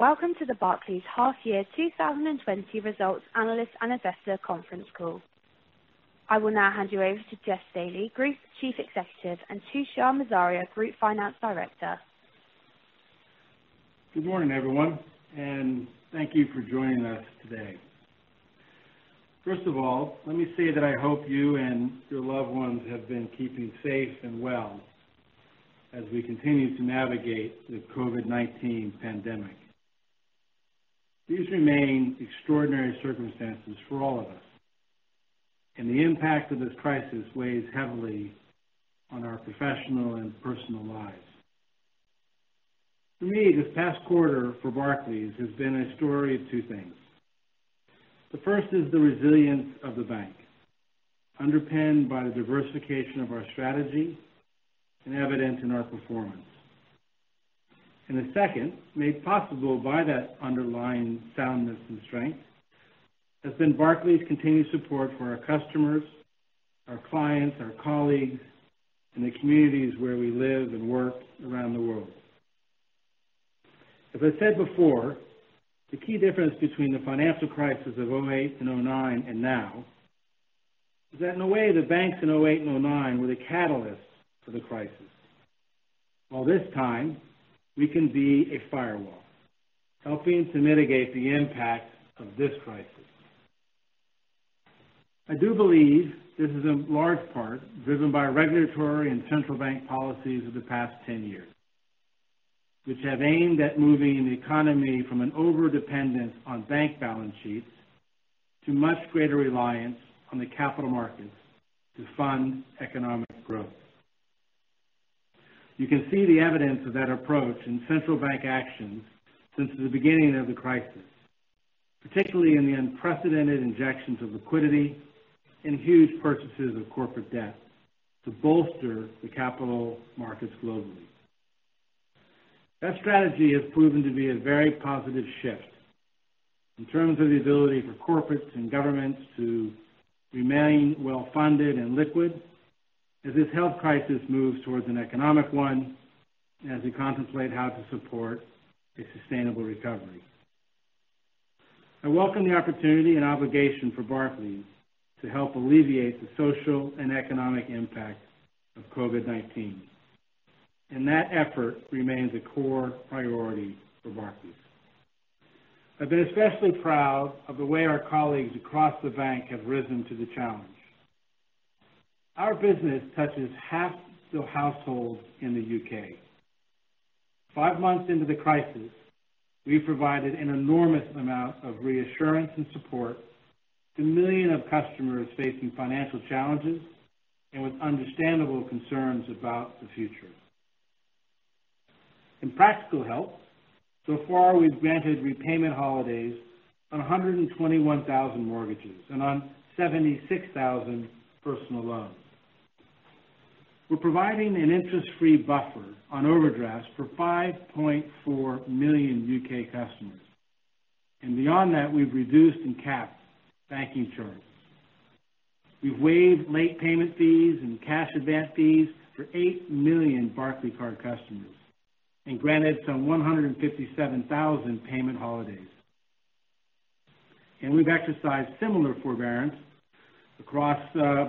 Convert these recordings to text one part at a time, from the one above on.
Welcome to the Barclays half-year 2020 results analyst and investor conference call. I will now hand you over to Jes Staley, Group Chief Executive, and Tushar Morzaria, Group Finance Director. Good morning, everyone, and thank you for joining us today. First of all, let me say that I hope you and your loved ones have been keeping safe and well as we continue to navigate the COVID-19 pandemic. These remain extraordinary circumstances for all of us, and the impact of this crisis weighs heavily on our professional and personal lives. For me, this past quarter for Barclays has been a story of two things. The first is the resilience of the bank, underpinned by the diversification of our strategy and evident in our performance. The second, made possible by that underlying soundness and strength, has been Barclays' continued support for our customers, our clients, our colleagues, and the communities where we live and work around the world. As I said before, the key difference between the financial crisis of 2008 and 2009 and now is that in a way, the banks in 2008 and 2009 were the catalyst for the crisis. This time we can be a firewall, helping to mitigate the impact of this crisis. I do believe this is in large part driven by regulatory and central bank policies of the past 10 years, which have aimed at moving the economy from an overdependence on bank balance sheets to much greater reliance on the capital markets to fund economic growth. You can see the evidence of that approach in central bank actions since the beginning of the crisis, particularly in the unprecedented injections of liquidity and huge purchases of corporate debt to bolster the capital markets globally. That strategy has proven to be a very positive shift in terms of the ability for corporates and governments to remain well funded and liquid as this health crisis moves towards an economic one and as we contemplate how to support a sustainable recovery. I welcome the opportunity and obligation for Barclays to help alleviate the social and economic impact of COVID-19, and that effort remains a core priority for Barclays. I've been especially proud of the way our colleagues across the bank have risen to the challenge. Our business touches half the households in the U.K. Five months into the crisis, we've provided an enormous amount of reassurance and support to millions of customers facing financial challenges and with understandable concerns about the future. In practical help, so far, we've granted repayment holidays on 121,000 mortgages and on 76,000 personal loans. We're providing an interest-free buffer on overdrafts for 5.4 million U.K. customers. Beyond that, we've reduced and capped banking charges. We've waived late payment fees and cash advance fees for 8 million Barclaycard customers and granted some 157,000 payment holidays. We've exercised similar forbearance across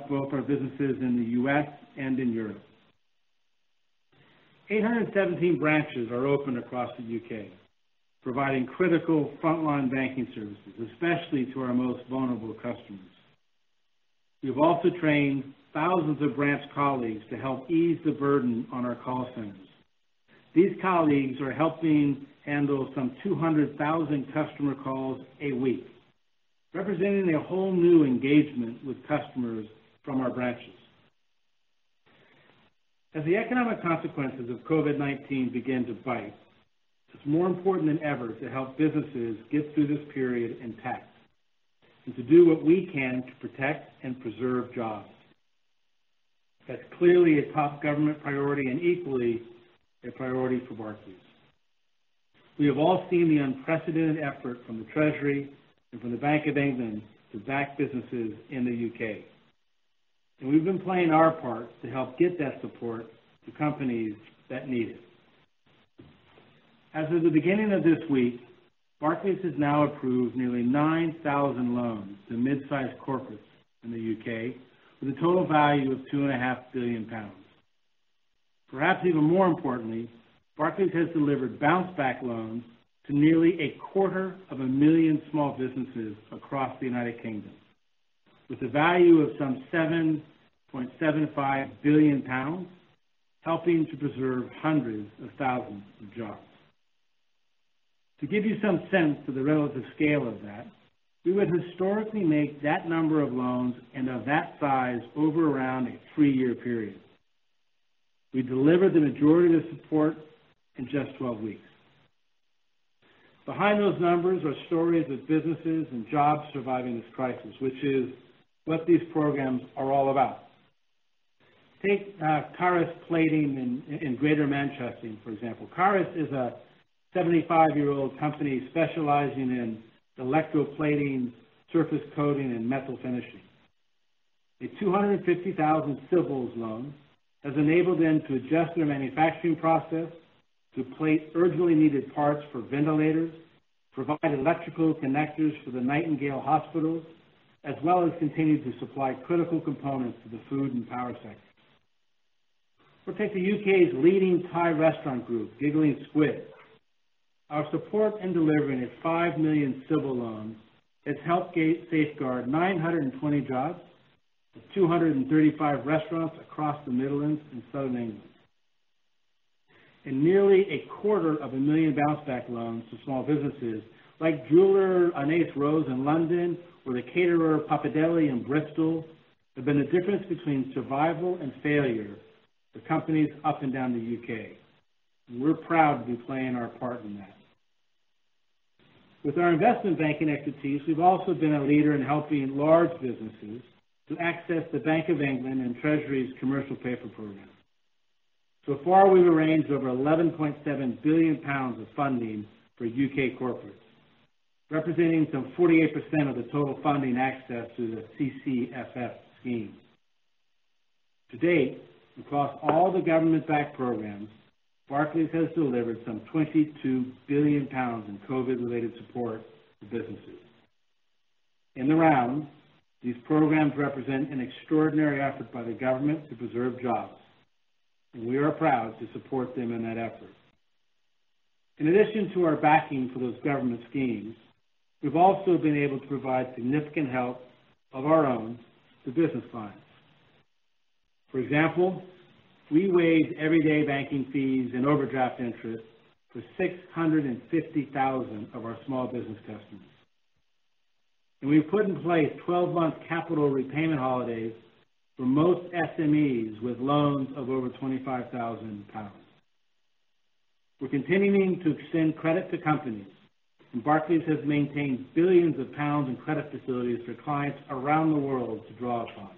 both our businesses in the U.S. and in Europe. 817 branches are open across the U.K. providing critical frontline banking services, especially to our most vulnerable customers. We've also trained thousands of branch colleagues to help ease the burden on our call centers. These colleagues are helping handle some 200,000 customer calls a week, representing a whole new engagement with customers from our branches. As the economic consequences of COVID-19 begin to bite, it's more important than ever to help businesses get through this period intact and to do what we can to protect and preserve jobs. That's clearly a top government priority and equally a priority for Barclays. We have all seen the unprecedented effort from the Treasury and from the Bank of England to back businesses in the U.K., and we've been playing our part to help get that support to companies that need it. As of the beginning of this week, Barclays has now approved nearly 9,000 loans to mid-sized corporates in the U.K. with a total value of 2.5 billion pounds. Perhaps even more importantly, Barclays has delivered Bounce Back Loans to nearly a quarter of a million small businesses across the United Kingdom with a value of some 7.75 billion pounds, helping to preserve hundreds of thousands of jobs. To give you some sense of the relative scale of that, we would historically make that number of loans and of that size over around a three-year period. We delivered the majority of the support in just 12 weeks. Behind those numbers are stories of businesses and jobs surviving this crisis, which is what these programs are all about. Take Karas Plating in Greater Manchester, for example. Karas is a 75-year-old company specializing in electroplating, surface coating, and metal finishing. A 250,000 CBILS loan has enabled them to adjust their manufacturing process to plate urgently needed parts for ventilators, provide electrical connectors for the Nightingale Hospital, as well as continue to supply critical components to the food and power sectors. Take the U.K.'s leading Thai restaurant group, Giggling Squid. Our support in delivering a 5 million CBIL loan has helped safeguard 920 jobs at 235 restaurants across the Midlands and Southern England. Nearly a quarter of a million Bounce Back Loans to small businesses, like jeweler Anais Rose in London or the caterer Papadeli in Bristol, have been the difference between survival and failure for companies up and down the U.K. We're proud to be playing our part in that. With our investment banking equities, we've also been a leader in helping large businesses to access the Bank of England and Treasury's Commercial Paper programme. Far, we've arranged over 11.7 billion pounds of funding for U.K. corporates, representing some 48% of the total funding access to the CCFF scheme. To date, across all the government-backed programs, Barclays has delivered some 22 billion pounds in COVID-related support to businesses. In the round, these programs represent an extraordinary effort by the government to preserve jobs, and we are proud to support them in that effort. In addition to our backing for those government schemes, we've also been able to provide significant help of our own to business clients. For example, we waived everyday banking fees and overdraft interest for 650,000 of our small business customers. We've put in place 12-month capital repayment holidays for most SMEs with loans of over 25,000 pounds. We're continuing to extend credit to companies, and Barclays has maintained billions of pounds in credit facilities for clients around the world to draw upon.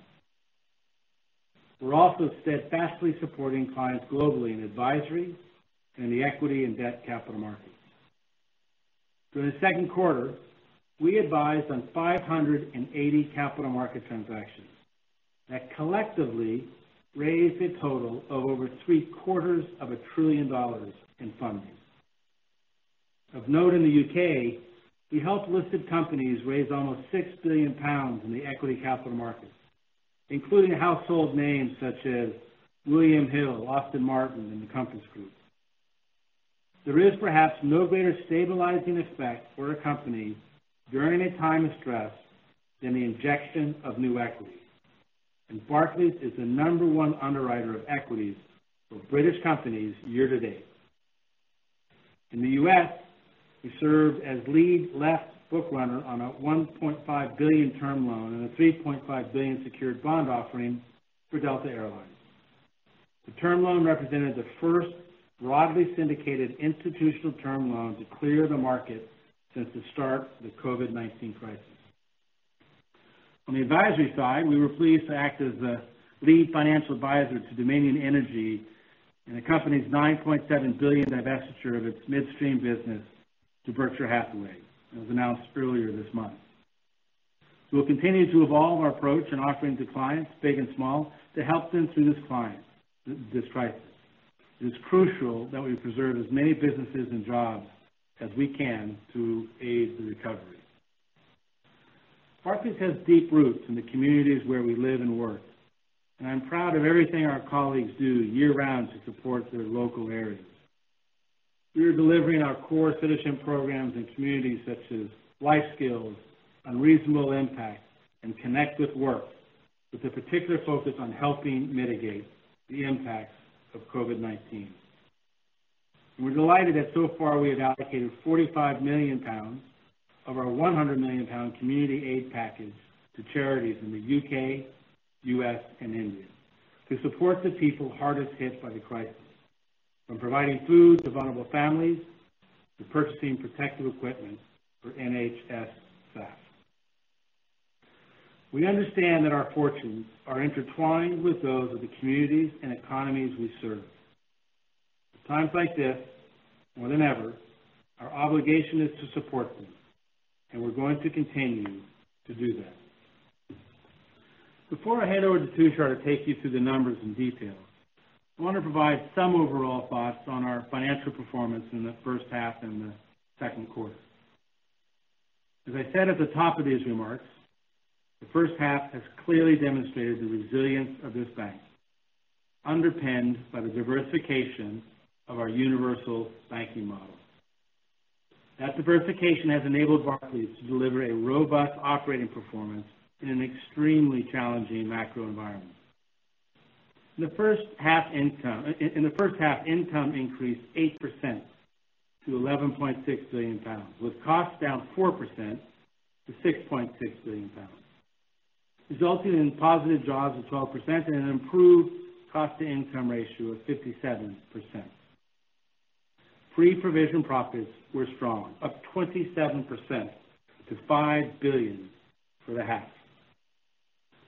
We're also steadfastly supporting clients globally in advisory and the equity and debt capital markets. During the second quarter, we advised on 580 capital market transactions that collectively raised a total of over $0.75 trillion In funding. Of note in the U.K., we helped listed companies raise almost 6 billion pounds in the equity capital markets, including household names such as William Hill, Aston Martin, and the Compass Group. There is perhaps no greater stabilizing effect for a company during a time of stress than the injection of new equity. Barclays is the number one underwriter of equities for British companies year to date. In the U.S., we served as lead left bookrunner on a $1.5 billion term loan and a $3.5 billion secured bond offering for Delta Air Lines. The term loan represented the first broadly syndicated institutional term loan to clear the market since the start of the COVID-19 crisis. On the advisory side, we were pleased to act as the lead financial advisor to Dominion Energy in the company's $9.7 billion divestiture of its midstream business to Berkshire Hathaway, as announced earlier this month. We will continue to evolve our approach and offering to clients, big and small, to help them through this crisis. It is crucial that we preserve as many businesses and jobs as we can to aid the recovery. Barclays has deep roots in the communities where we live and work, and I'm proud of everything our colleagues do year-round to support their local areas. We are delivering our core citizen programs in communities such as LifeSkills, Unreasonable Impact, and Connect with Work, with a particular focus on helping mitigate the impacts of COVID-19. We're delighted that so far we have allocated 45 million pounds of our 100 million pound Community Aid Package to charities in the U.K., U.S., and India to support the people hardest hit by the crisis, from providing food to vulnerable families to purchasing protective equipment for NHS staff. We understand that our fortunes are intertwined with those of the communities and economies we serve. At times like this, more than ever, our obligation is to support them, and we're going to continue to do that. Before I hand over to Tushar to take you through the numbers and details, I want to provide some overall thoughts on our financial performance in the first half and the second quarter. As I said at the top of these remarks, the first half has clearly demonstrated the resilience of this bank, underpinned by the diversification of our universal banking model. That diversification has enabled Barclays to deliver a robust operating performance in an extremely challenging macro environment. In the first half, income increased 8% to 11.6 billion pounds, with costs down 4% to 6.6 billion pounds, resulting in positive jaws of 12% and an improved cost-to-income ratio of 57%. Pre-provision profits were strong, up 27% to 5 billion for the half.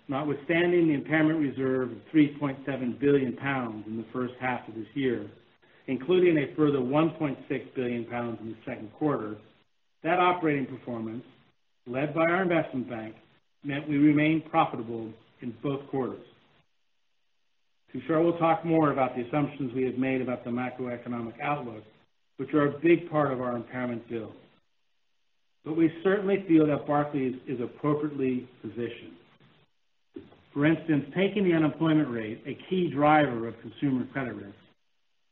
Notwithstanding the impairment reserve of 3.7 billion pounds in the first half of this year, including a further 1.6 billion pounds in the second quarter, that operating performance, led by our investment bank, meant we remained profitable in both quarters. Tushar will talk more about the assumptions we have made about the macroeconomic outlook, which are a big part of our impairment build. We certainly feel that Barclays is appropriately positioned. For instance, taking the unemployment rate, a key driver of consumer credit risk,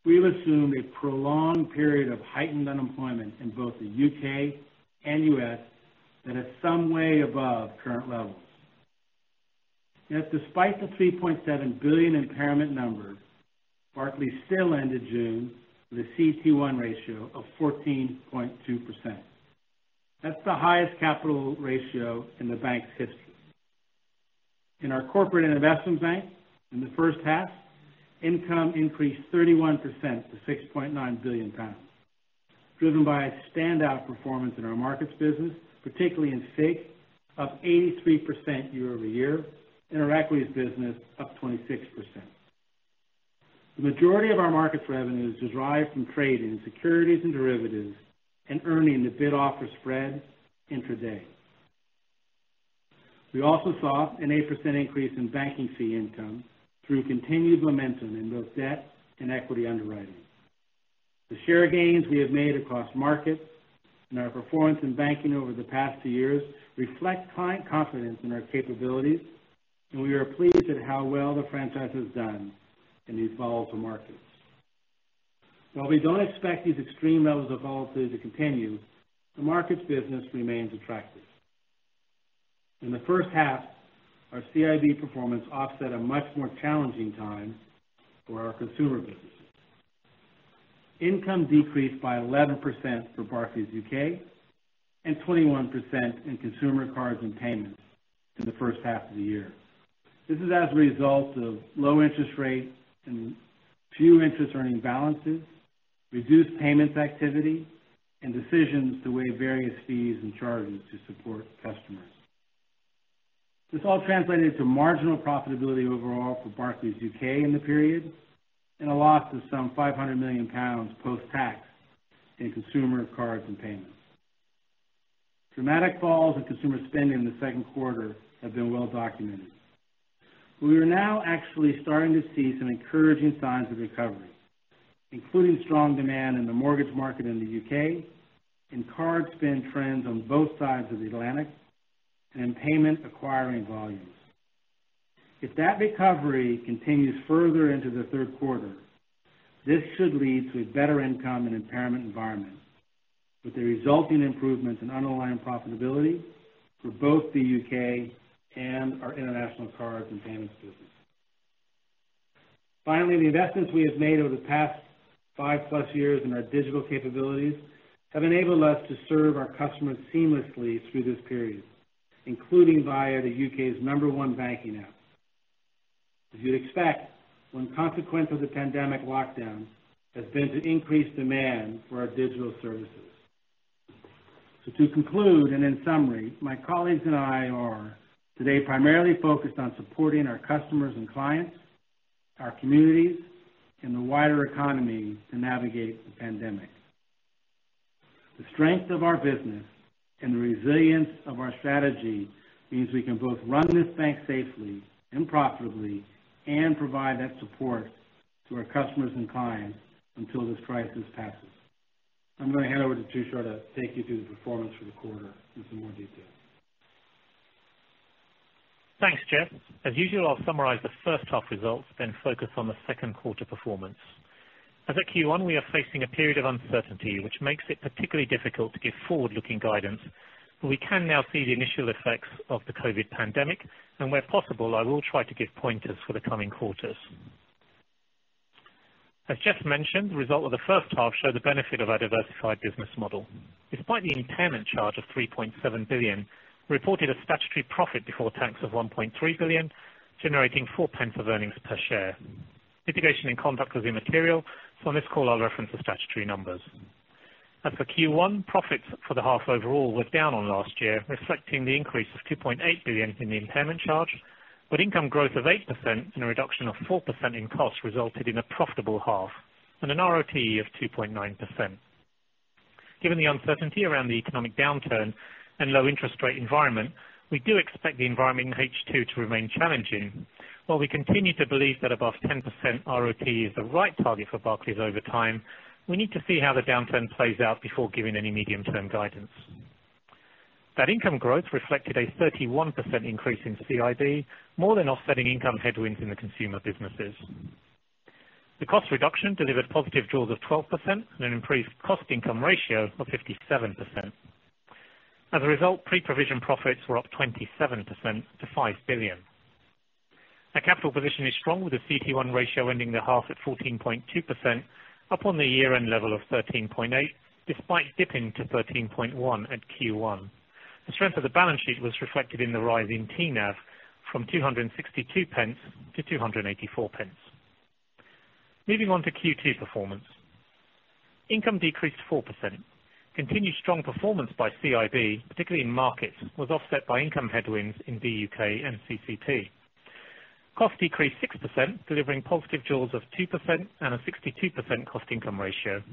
we've assumed a prolonged period of heightened unemployment in both the U.K. and U.S. that is some way above current levels. Despite the 3.7 billion impairment number, Barclays still ended June with a CET1 ratio of 14.2%. That's the highest capital ratio in the bank's history. In our Corporate and Investment Bank, in the first half, income increased 31% to 6.9 billion pounds, driven by a standout performance in our markets business, particularly in FICC, up 83% year-over-year, and our equities business up 26%. The majority of our markets revenues derive from trading securities and derivatives and earning the bid offer spread intraday. We also saw an 8% increase in banking fee income through continued momentum in both debt and equity underwriting. The share gains we have made across markets and our performance in banking over the past two years reflect client confidence in our capabilities. We are pleased at how well the franchise has done in these volatile markets. While we don't expect these extreme levels of volatility to continue, the markets business remains attractive. In the first half, our CIB performance offset a much more challenging time for our consumer businesses. Income decreased by 11% for Barclays UK and 21% in Consumer, Cards and Payments in the first half of the year. This is as a result of low interest rates and few interest earning balances, reduced payments activity, and decisions to waive various fees and charges to support customers. This all translated to marginal profitability overall for Barclays UK in the period, and a loss of some 500 million pounds post tax in Consumer, Cards and Payments. Dramatic falls in consumer spending in the second quarter have been well documented. We are now actually starting to see some encouraging signs of recovery, including strong demand in the mortgage market in the U.K., in card spend trends on both sides of the Atlantic, and in payment acquiring volumes. If that recovery continues further into the third quarter, this should lead to a better income and impairment environment with the resulting improvements in underlying profitability for both the U.K. and our international cards and payments business. Finally, the investments we have made over the past five-plus years in our digital capabilities have enabled us to serve our customers seamlessly through this period, including via the U.K.'s number 1 banking app. As you'd expect, one consequence of the pandemic lockdown has been to increase demand for our digital services. To conclude, and in summary, my colleagues and I are today primarily focused on supporting our customers and clients, our communities, and the wider economy to navigate the pandemic. The strength of our business and the resilience of our strategy means we can both run this bank safely and profitably and provide that support to our customers and clients until this crisis passes. I'm going to hand over to Tushar to take you through the performance for the quarter in some more detail. Thanks, Jes. As usual, I'll summarize the first half results, then focus on the second quarter performance. At Q1, we are facing a period of uncertainty, which makes it particularly difficult to give forward-looking guidance, but we can now see the initial effects of the COVID-19 pandemic. Where possible, I will try to give pointers for the coming quarters. As Jes mentioned, the result of the first half showed the benefit of our diversified business model. Despite the impairment charge of 3.7 billion, we reported a statutory profit before tax of 1.3 billion, generating 0.04 of earnings per share. Mitigation in conduct was immaterial, on this call I'll reference the statutory numbers. As for Q1, profits for the half overall were down on last year, reflecting the increase of 2.8 billion in the impairment charge, but income growth of 8% and a reduction of 4% in costs resulted in a profitable half and an RoTE of 2.9%. Given the uncertainty around the economic downturn and low interest rate environment, we do expect the environment in H2 to remain challenging. While we continue to believe that above 10% RoTE is the right target for Barclays over time, we need to see how the downturn plays out before giving any medium-term guidance. That income growth reflected a 31% increase in CIB, more than offsetting income headwinds in the consumer businesses. The cost reduction delivered positive jaws of 12% and an increased cost-income ratio of 57%. As a result, pre-provision profits were up 27% to 5 billion. Our capital position is strong, with the CET1 ratio ending the half at 14.2%, up on the year-end level of 13.8%, despite dipping to 13.1% at Q1. The strength of the balance sheet was reflected in the rise in TNAV from 2.62 to 2.84. Moving on to Q2 performance. Income decreased 4%. Continued strong performance by CIB, particularly in markets, was offset by income headwinds in BUK and CC&P. Cost decreased 6%, delivering positive jaws of 2% and a 62% cost-income ratio.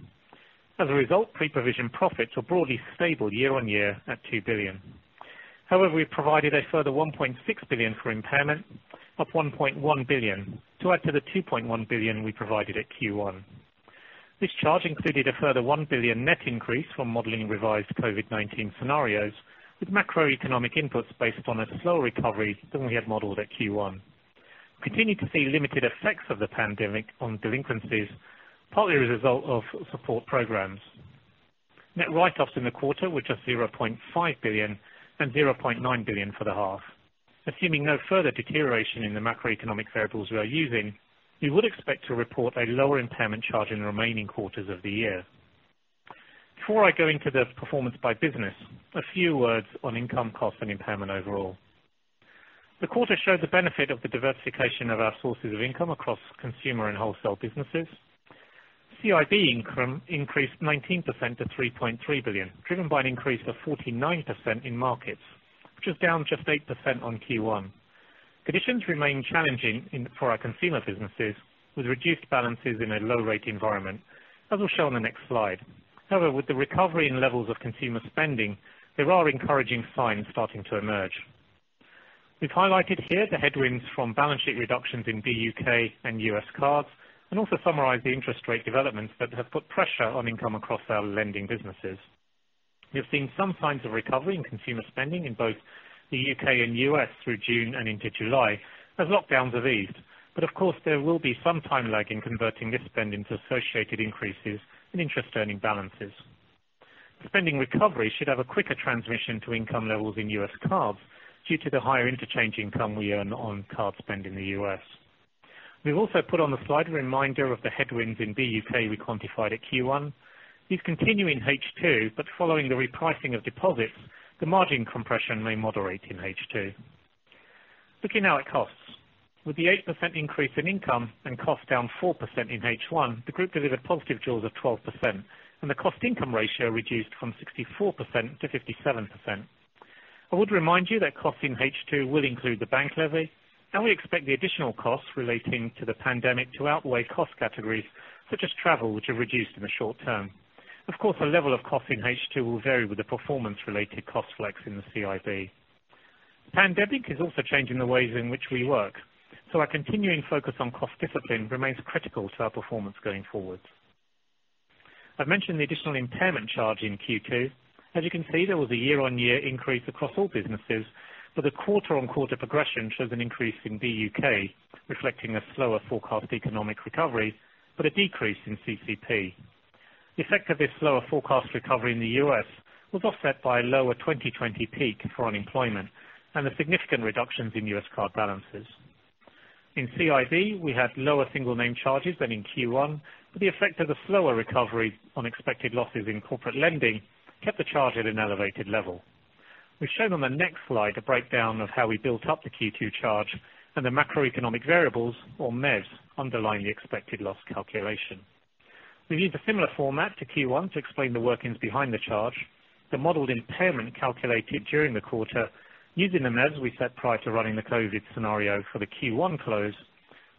Pre-provision profits were broadly stable year-on-year at 2 billion. We provided a further 1.6 billion for impairment of 1.1 billion to add to the 2.1 billion we provided at Q1. This charge included a further 1 billion net increase from modeling revised COVID-19 scenarios, with macroeconomic inputs based on a slower recovery than we had modeled at Q1. We continue to see limited effects of the pandemic on delinquencies, partly as a result of support programs. Net write-offs in the quarter were just 0.5 billion and 0.9 billion for the half. Assuming no further deterioration in the macroeconomic variables we are using, we would expect to report a lower impairment charge in the remaining quarters of the year. Before I go into the performance by business, a few words on income cost and impairment overall. The quarter showed the benefit of the diversification of our sources of income across consumer and wholesale businesses. CIB income increased 19% to 3.3 billion, driven by an increase of 49% in markets, which was down just 8% on Q1. Conditions remain challenging for our consumer businesses, with reduced balances in a low-rate environment, as we'll show on the next slide. However, with the recovery in levels of consumer spending, there are encouraging signs starting to emerge. We've highlighted here the headwinds from balance sheet reductions in BUK and U.S. cards, and also summarized the interest rate developments that have put pressure on income across our lending businesses. We have seen some signs of recovery in consumer spending in both the U.K. and U.S. through June and into July as lockdowns have eased. Of course, there will be some time lag in converting this spend into associated increases in interest-earning balances. Spending recovery should have a quicker transmission to income levels in U.S. cards due to the higher interchange income we earn on card spend in the U.S. We've also put on the slide a reminder of the headwinds in BUK we quantified at Q1. These continue in H2, but following the repricing of deposits, the margin compression may moderate in H2. Looking now at costs. With the 8% increase in income and cost down 4% in H1, the group delivered positive jaws of 12% and the cost-income ratio reduced from 64% to 57%. I would remind you that cost in H2 will include the bank levy, and we expect the additional costs relating to the pandemic to outweigh cost categories such as travel, which are reduced in the short term. Of course, the level of cost in H2 will vary with the performance-related cost flex in the CIB. The pandemic is also changing the ways in which we work, so our continuing focus on cost discipline remains critical to our performance going forward. I've mentioned the additional impairment charge in Q2. As you can see, there was a year-on-year increase across all businesses, but the quarter-on-quarter progression shows an increase in BUK, reflecting a slower forecast economic recovery, but a decrease in CC&P. The effect of this slower forecast recovery in the U.S. was offset by a lower 2020 peak for unemployment and the significant reductions in U.S. card balances. In CIB, we had lower single name charges than in Q1, but the effect of the slower recovery on expected losses in corporate lending kept the charge at an elevated level. We've shown on the next slide a breakdown of how we built up the Q2 charge and the macroeconomic variables or MEVs underlying the expected loss calculation. We've used a similar format to Q1 to explain the workings behind the charge. The modeled impairment calculated during the quarter using the MEVs we set prior to running the COVID scenario for the Q1 close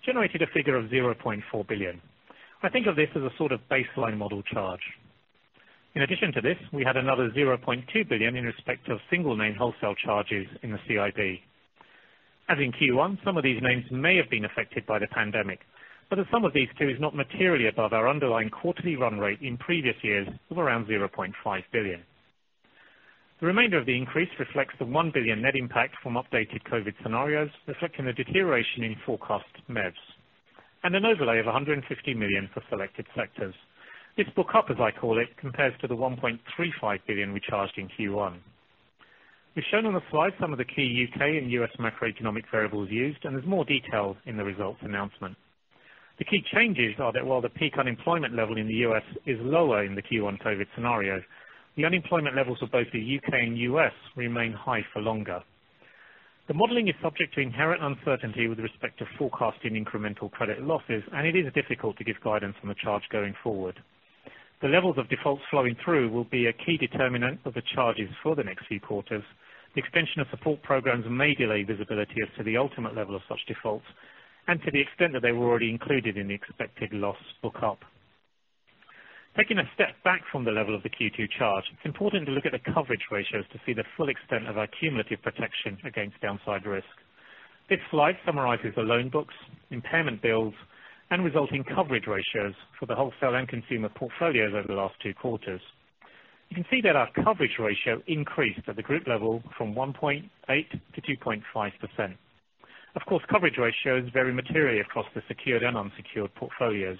generated a figure of 0.4 billion. I think of this as a sort of baseline model charge. In addition to this, we had another 0.2 billion in respect of single name wholesale charges in the CIB. As in Q1, some of these names may have been affected by the pandemic, but the sum of these two is not materially above our underlying quarterly run rate in previous years of around 0.5 billion. The remainder of the increase reflects the 1 billion net impact from updated COVID scenarios, reflecting the deterioration in forecast MEVs, and an overlay of 150 million for selected sectors. This book-up, as I call it, compares to the 1.35 billion we charged in Q1. We've shown on the slide some of the key U.K. and U.S. macroeconomic variables used, and there's more detail in the results announcement. The key changes are that while the peak unemployment level in the U.S. is lower in the Q1 COVID scenario, the unemployment levels of both the U.K. and U.S. remain high for longer. The modeling is subject to inherent uncertainty with respect to forecasting incremental credit losses, and it is difficult to give guidance on the charge going forward. The levels of defaults flowing through will be a key determinant of the charges for the next few quarters. The extension of support programs may delay visibility as to the ultimate level of such defaults and to the extent that they were already included in the expected loss book-up. Taking a step back from the level of the Q2 charge, it's important to look at the coverage ratios to see the full extent of our cumulative protection against downside risk. This slide summarizes the loan books, impairment bills, and resulting coverage ratios for the wholesale and consumer portfolios over the last two quarters. You can see that our coverage ratio increased at the group level from 1.8% to 2.5%. Of course, coverage ratios vary materially across the secured and unsecured portfolios.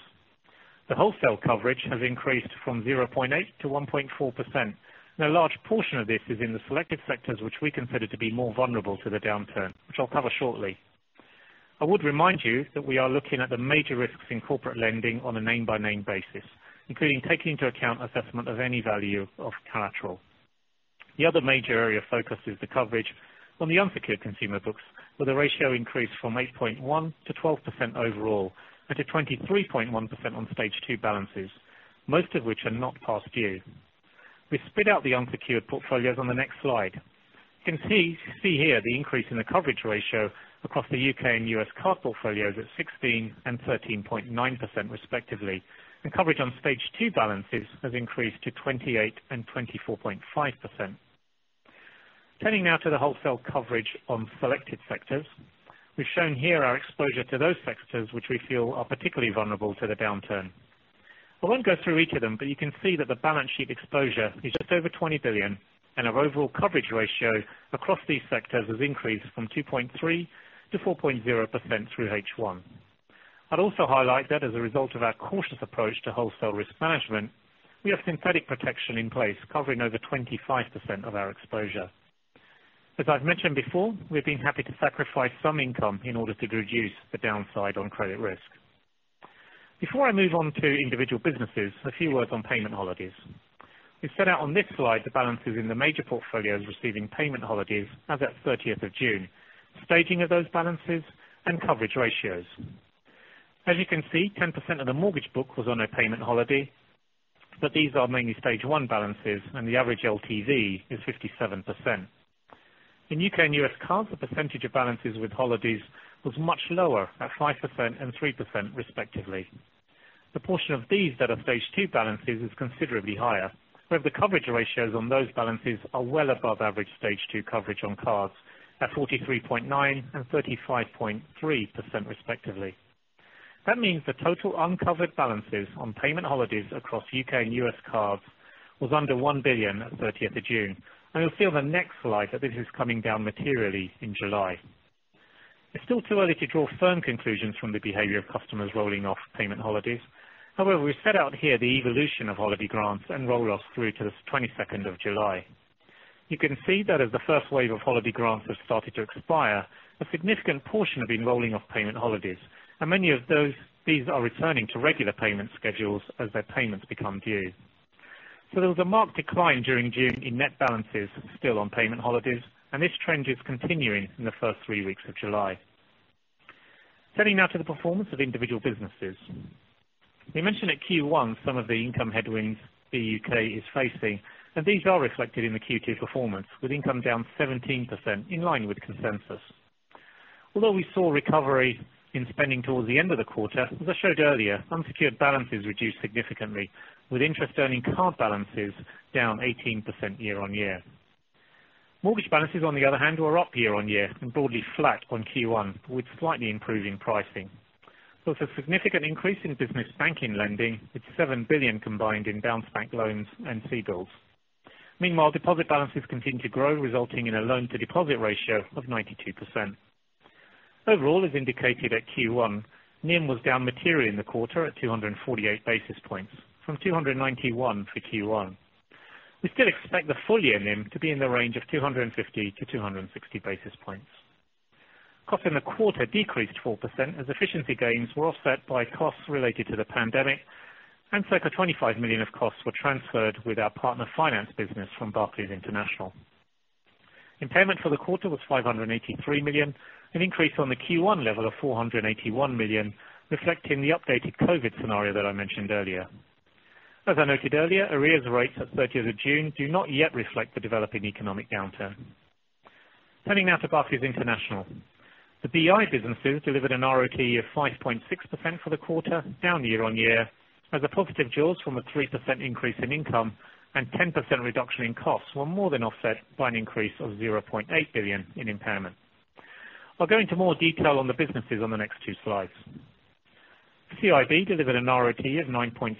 The wholesale coverage has increased from 0.8% to 1.4%. A large portion of this is in the selected sectors, which we consider to be more vulnerable to the downturn, which I'll cover shortly. I would remind you that we are looking at the major risks in corporate lending on a name-by-name basis, including taking into account assessment of any value of collateral. The other major area of focus is the coverage on the unsecured consumer books, where the ratio increased from 8.1% to 12% overall, and to 23.1% on Stage 2 balances, most of which are not past due. We split out the unsecured portfolios on the next slide. You can see here the increase in the coverage ratio across the U.K. and U.S. card portfolios at 16% and 13.9% respectively. Coverage on Stage 2 balances has increased to 28% and 24.5%. Turning now to the wholesale coverage on selected sectors. We've shown here our exposure to those sectors which we feel are particularly vulnerable to the downturn. I won't go through each of them, but you can see that the balance sheet exposure is just over 20 billion, and our overall coverage ratio across these sectors has increased from 2.3%-4.0% through H1. I'd also highlight that as a result of our cautious approach to wholesale risk management, we have synthetic protection in place covering over 25% of our exposure. As I've mentioned before, we've been happy to sacrifice some income in order to reduce the downside on credit risk. Before I move on to individual businesses, a few words on payment holidays. We've set out on this slide the balances in the major portfolios receiving payment holidays as at 30th of June, staging of those balances, and coverage ratios. As you can see, 10% of the mortgage book was on a payment holiday, but these are mainly Stage 1 balances and the average LTV is 57%. In U.K. and U.S. cards, the percentage of balances with holidays was much lower, at 5% and 3% respectively. The portion of these that are Stage 2 balances is considerably higher, where the coverage ratios on those balances are well above average Stage 2 coverage on cards at 43.9% and 35.3% respectively. That means the total uncovered balances on payment holidays across U.K. and U.S. cards was under 1 billion at 30th of June, and you'll see on the next slide that this is coming down materially in July. It's still too early to draw firm conclusions from the behavior of customers rolling off payment holidays. We've set out here the evolution of holiday grants and roll-offs through to the 22nd of July. You can see that as the first wave of holiday grants have started to expire, a significant portion have been rolling off payment holidays, and many of these are returning to regular payment schedules as their payments become due. There was a marked decline during June in net balances still on payment holidays, and this trend is continuing in the first three weeks of July. Turning now to the performance of individual businesses. We mentioned at Q1 some of the income headwinds the BUK is facing, and these are reflected in the Q2 performance, with income down 17%, in line with consensus. We saw recovery in spending towards the end of the quarter, as I showed earlier, unsecured balances reduced significantly, with interest earning card balances down 18% year-on-year. Mortgage balances, on the other hand, were up year-on-year and broadly flat on Q1, with slightly improving pricing. There was a significant increase in business banking lending, with 7 billion combined in Bounce Back Loans and CBILs. Deposit balances continued to grow, resulting in a loan-to-deposit ratio of 92%. As indicated at Q1, NIM was down materially in the quarter at 248 basis points from 291 basis points for Q1. We still expect the full-year NIM to be in the range of 250-260 basis points. Cost in the quarter decreased 4% as efficiency gains were offset by costs related to the pandemic and circa 25 million of costs were transferred with our Partner Finance business from Barclays International. Impairment for the quarter was 583 million, an increase on the Q1 level of 481 million, reflecting the updated COVID-19 scenario that I mentioned earlier. As I noted earlier, arrears rates at 30th of June do not yet reflect the developing economic downturn. Turning now to Barclays International. The BI businesses delivered an RoTE of 5.6% for the quarter, down year-on-year, as a positive jaws from a 3% increase in income and 10% reduction in costs were more than offset by an increase of 0.8 billion in impairment. I'll go into more detail on the businesses on the next two slides. CIB delivered an RoTE of 9.6%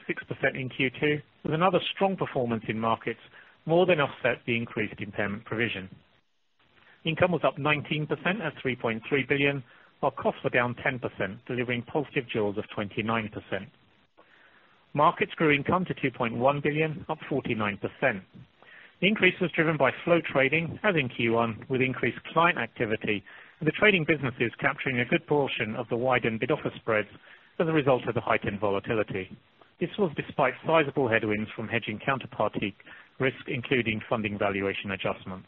in Q2, with another strong performance in markets more than offset the increased impairment provision. Income was up 19% at 3.3 billion, while costs were down 10%, delivering positive jaws of 29%. Markets grew income to 2.1 billion, up 49%. The increase was driven by flow trading, as in Q1, with increased client activity and the trading businesses capturing a good portion of the widened bid-offer spreads as a result of the heightened volatility. This was despite sizable headwinds from hedging counterparty risk, including funding valuation adjustments.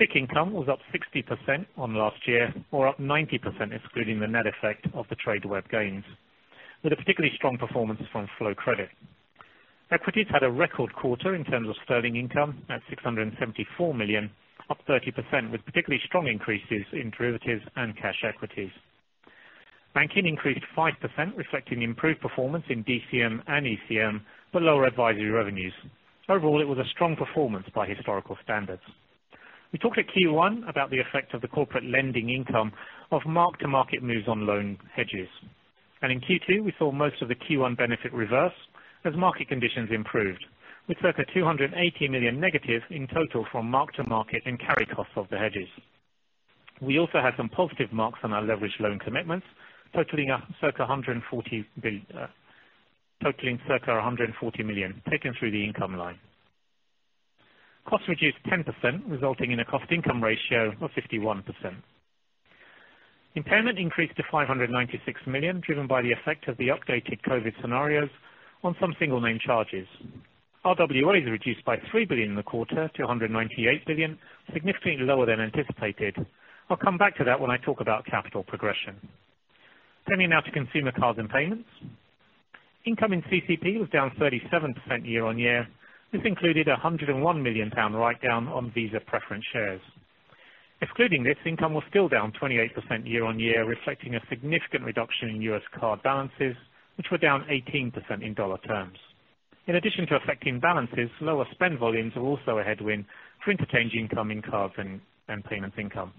FICC income was up 60% on last year or up 90% excluding the net effect of the Tradeweb gains, with a particularly strong performance from flow credit. Equities had a record quarter in terms of sterling income at 674 million, up 30%, with particularly strong increases in derivatives and cash equities. Banking increased 5%, reflecting improved performance in DCM and ECM, but lower advisory revenues. Overall, it was a strong performance by historical standards. We talked at Q1 about the effect of the corporate lending income of mark-to-market moves on loan hedges. In Q2, we saw most of the Q1 benefit reverse as market conditions improved, with circa 280 million negative in total from mark-to-market and carry costs of the hedges. We also had some positive marks on our leverage loan commitments, totaling circa 140 million taken through the income line. Costs reduced 10%, resulting in a cost-income ratio of 51%. Impairment increased to 596 million, driven by the effect of the updated COVID scenarios on some single name charges. RWAs reduced by 3 billion in the quarter to 198 billion, significantly lower than anticipated. I'll come back to that when I talk about capital progression. Turning now to Consumer, Cards and Payments. Income in CC&P was down 37% year-on-year. This included 101 million pound write-down on Visa preference shares. Excluding this, income was still down 28% year-on-year, reflecting a significant reduction in U.S. card balances, which were down 18% in dollar terms. In addition to affecting balances, lower spend volumes are also a headwind for interchange income in cards and payments income.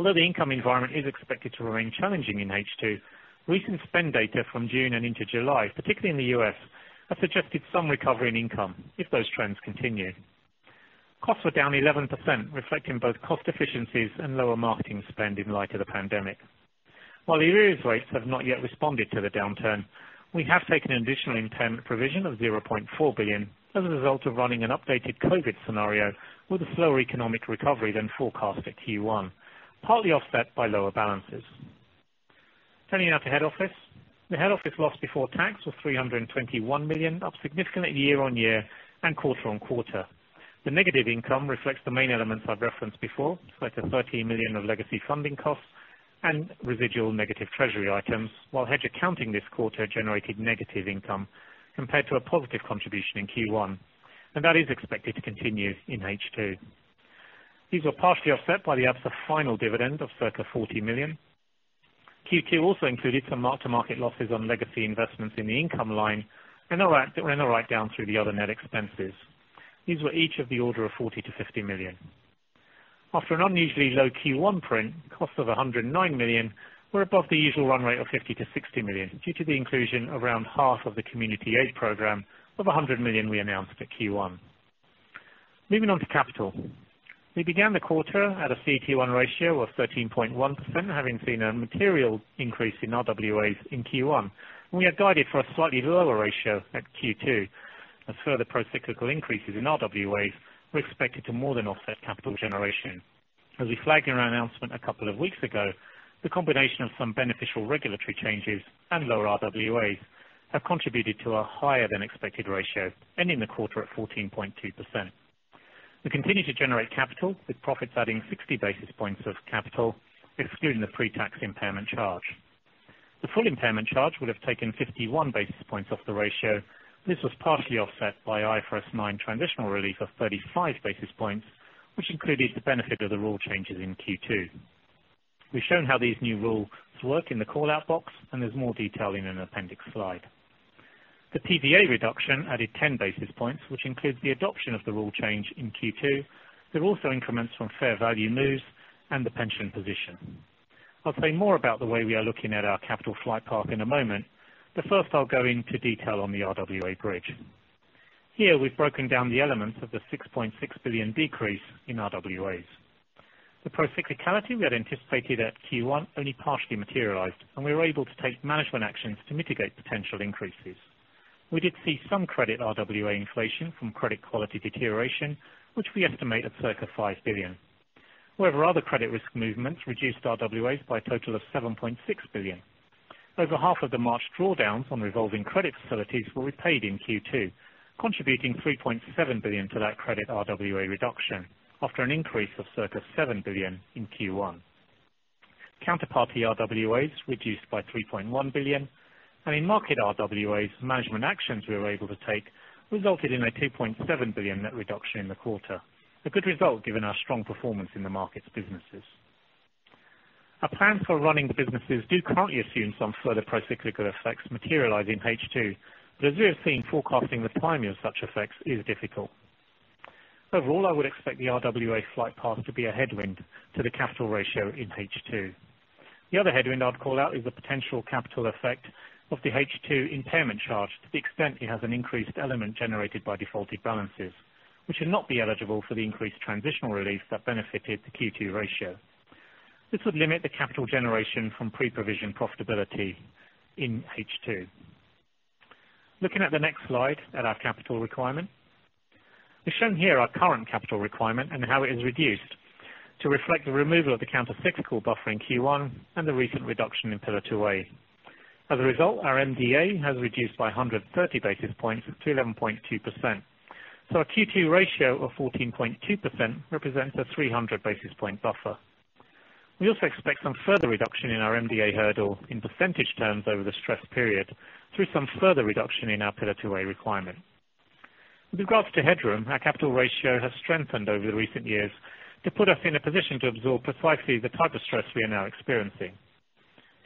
Although the income environment is expected to remain challenging in H2, recent spend data from June and into July, particularly in the U.S., have suggested some recovery in income if those trends continue. Costs were down 11%, reflecting both cost efficiencies and lower marketing spend in light of the pandemic. While the arrears rates have not yet responded to the downturn, we have taken an additional impairment provision of 0.4 billion as a result of running an updated COVID scenario with a slower economic recovery than forecast at Q1, partly offset by lower balances. Turning now to Head Office. The Head Office loss before tax was 321 million, up significantly year-on-year and quarter-on-quarter. The negative income reflects the main elements I've referenced before, circa 30 million of legacy funding costs and residual negative Treasury items, while hedge accounting this quarter generated negative income compared to a positive contribution in Q1. That is expected to continue in H2. These were partially offset by the absence of final dividend of circa 40 million. Q2 also included some mark-to-market losses on legacy investments in the income line and a write-down through the other net expenses. These were each of the order of 40 million-50 million. After an unusually low Q1 print, costs of 109 million were above the usual run rate of 50 million-60 million, due to the inclusion around half of the community aid programme of 100 million we announced at Q1. Moving on to capital. We began the quarter at a CET1 ratio of 13.1%, having seen a material increase in RWAs in Q1. We had guided for a slightly lower ratio at Q2 as further procyclical increases in RWAs were expected to more than offset capital generation. As we flagged in our announcement a couple of weeks ago, the combination of some beneficial regulatory changes and lower RWAs have contributed to a higher-than-expected ratio, ending the quarter at 14.2%. We continue to generate capital, with profits adding 60 basis points of capital, excluding the pre-tax impairment charge. The full impairment charge would have taken 51 basis points off the ratio. This was partially offset by IFRS 9 transitional relief of 35 basis points, which included the benefit of the rule changes in Q2. We've shown how these new rules work in the call-out box. There's more detail in an appendix slide. The PVA reduction added 10 basis points, which includes the adoption of the rule change in Q2. There are also increments from fair value moves and the pension position. I'll say more about the way we are looking at our capital flight path in a moment. First, I'll go into detail on the RWA bridge. Here we've broken down the elements of the 6.6 billion decrease in RWAs. The procyclicality we had anticipated at Q1 only partially materialized. We were able to take management actions to mitigate potential increases. We did see some credit RWA inflation from credit quality deterioration, which we estimate at circa 5 billion. However, other credit risk movements reduced RWAs by a total of 7.6 billion. Over half of the March drawdowns on revolving credit facilities were repaid in Q2, contributing 3.7 billion to that credit RWA reduction after an increase of circa 7 billion in Q1. Counterparty RWAs reduced by 3.1 billion, and in market RWAs, management actions we were able to take resulted in a 2.7 billion net reduction in the quarter. A good result given our strong performance in the markets businesses. Our plans for running the businesses do currently assume some further procyclical effects materialize in H2, but as we have seen, forecasting the timing of such effects is difficult. Overall, I would expect the RWA flight path to be a headwind to the capital ratio in H2. The other headwind I'd call out is the potential capital effect of the H2 impairment charge to the extent it has an increased element generated by defaulted balances, which should not be eligible for the increased transitional relief that benefited the Q2 ratio. This would limit the capital generation from pre-provision profitability in H2. Looking at the next slide at our capital requirement. We've shown here our current capital requirement and how it is reduced to reflect the removal of the countercyclical buffer in Q1 and the recent reduction in Pillar 2A. Our MDA has reduced by 130 basis points to 11.2%. Our Q2 ratio of 14.2% represents a 300-basis-point buffer. We also expect some further reduction in our MDA hurdle in percentage terms over the stress period through some further reduction in our Pillar 2A requirement. With regards to headroom, our capital ratio has strengthened over the recent years to put us in a position to absorb precisely the type of stress we are now experiencing.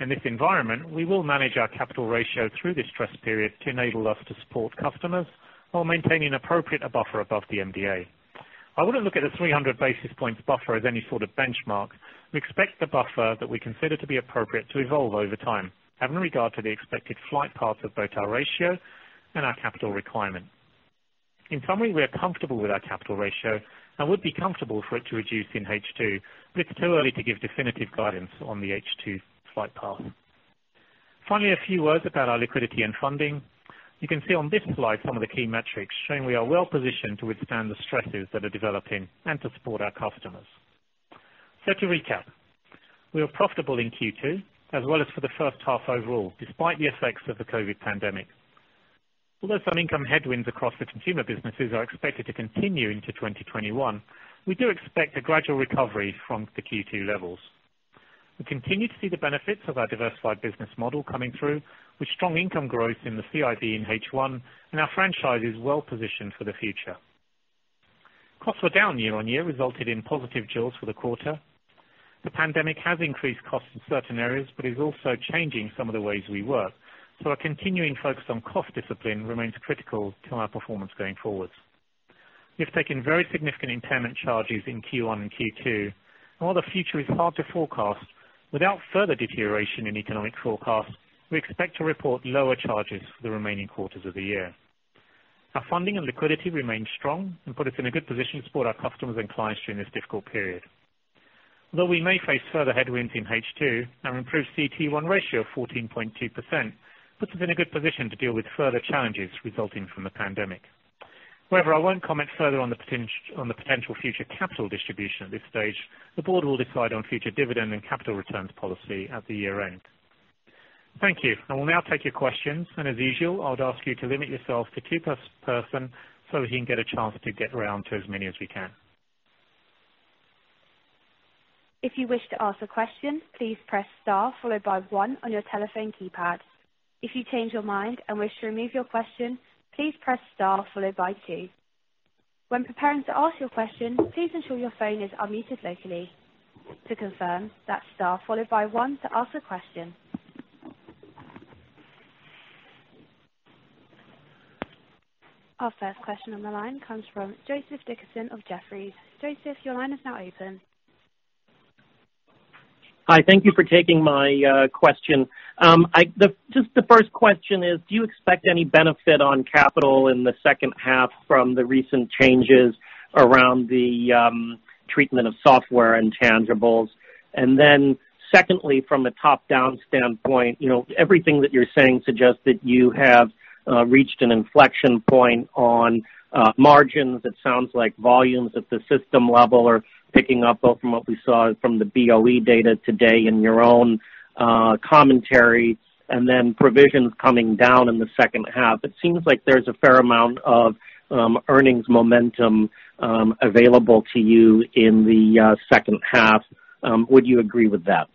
In this environment, we will manage our capital ratio through this stress period to enable us to support customers while maintaining appropriate buffer above the MDA. I wouldn't look at a 300-basis-points buffer as any sort of benchmark. We expect the buffer that we consider to be appropriate to evolve over time, having regard to the expected flight path of both our ratio and our capital requirement. In summary, we are comfortable with our capital ratio and would be comfortable for it to reduce in H2, but it's too early to give definitive guidance on the H2 flight path. Finally, a few words about our liquidity and funding. You can see on this slide some of the key metrics, showing we are well positioned to withstand the stresses that are developing, and to support our customers. To recap, we are profitable in Q2 as well as for the first half overall, despite the effects of the COVID pandemic. Some income headwinds across the consumer businesses are expected to continue into 2021, we do expect a gradual recovery from the Q2 levels. We continue to see the benefits of our diversified business model coming through with strong income growth in the CIB in H1, and our franchise is well positioned for the future. Costs were down year-over-year, resulted in positive jaws for the quarter. The pandemic has increased costs in certain areas but is also changing some of the ways we work. Our continuing focus on cost discipline remains critical to our performance going forward. We have taken very significant impairment charges in Q1 and Q2. While the future is hard to forecast, without further deterioration in economic forecasts, we expect to report lower charges for the remaining quarters of the year. Our funding and liquidity remain strong and put us in a good position to support our customers and clients during this difficult period. Although we may face further headwinds in H2, our improved CET1 ratio of 14.2% puts us in a good position to deal with further challenges resulting from the pandemic. I won't comment further on the potential future capital distribution at this stage. The Board will decide on future dividend and capital returns policy at the year end. Thank you. I will now take your questions, and as usual, I'd ask you to limit yourself to two per person so we can get a chance to get around to as many as we can. If you wish to ask a question, please press star followed by one on your telephone keypad. If you change your mind and wish to remove your question, please press star followed by two. When preparing to ask your question, please ensure your phone is unmuted locally. To confirm, that's star followed by one to ask a question. Our first question on the line comes from Joseph Dickerson of Jefferies. Joseph, your line is now open. Hi. Thank you for taking my question. The first question is, do you expect any benefit on capital in the second half from the recent changes around the treatment of software intangibles? Secondly, from a top-down standpoint, everything that you're saying suggests that you have reached an inflection point on margins. It sounds like volumes at the system level are picking up, both from what we saw from the BoE data today and your own commentary, provisions coming down in the second half. It seems like there's a fair amount of earnings momentum available to you in the second half. Would you agree with that?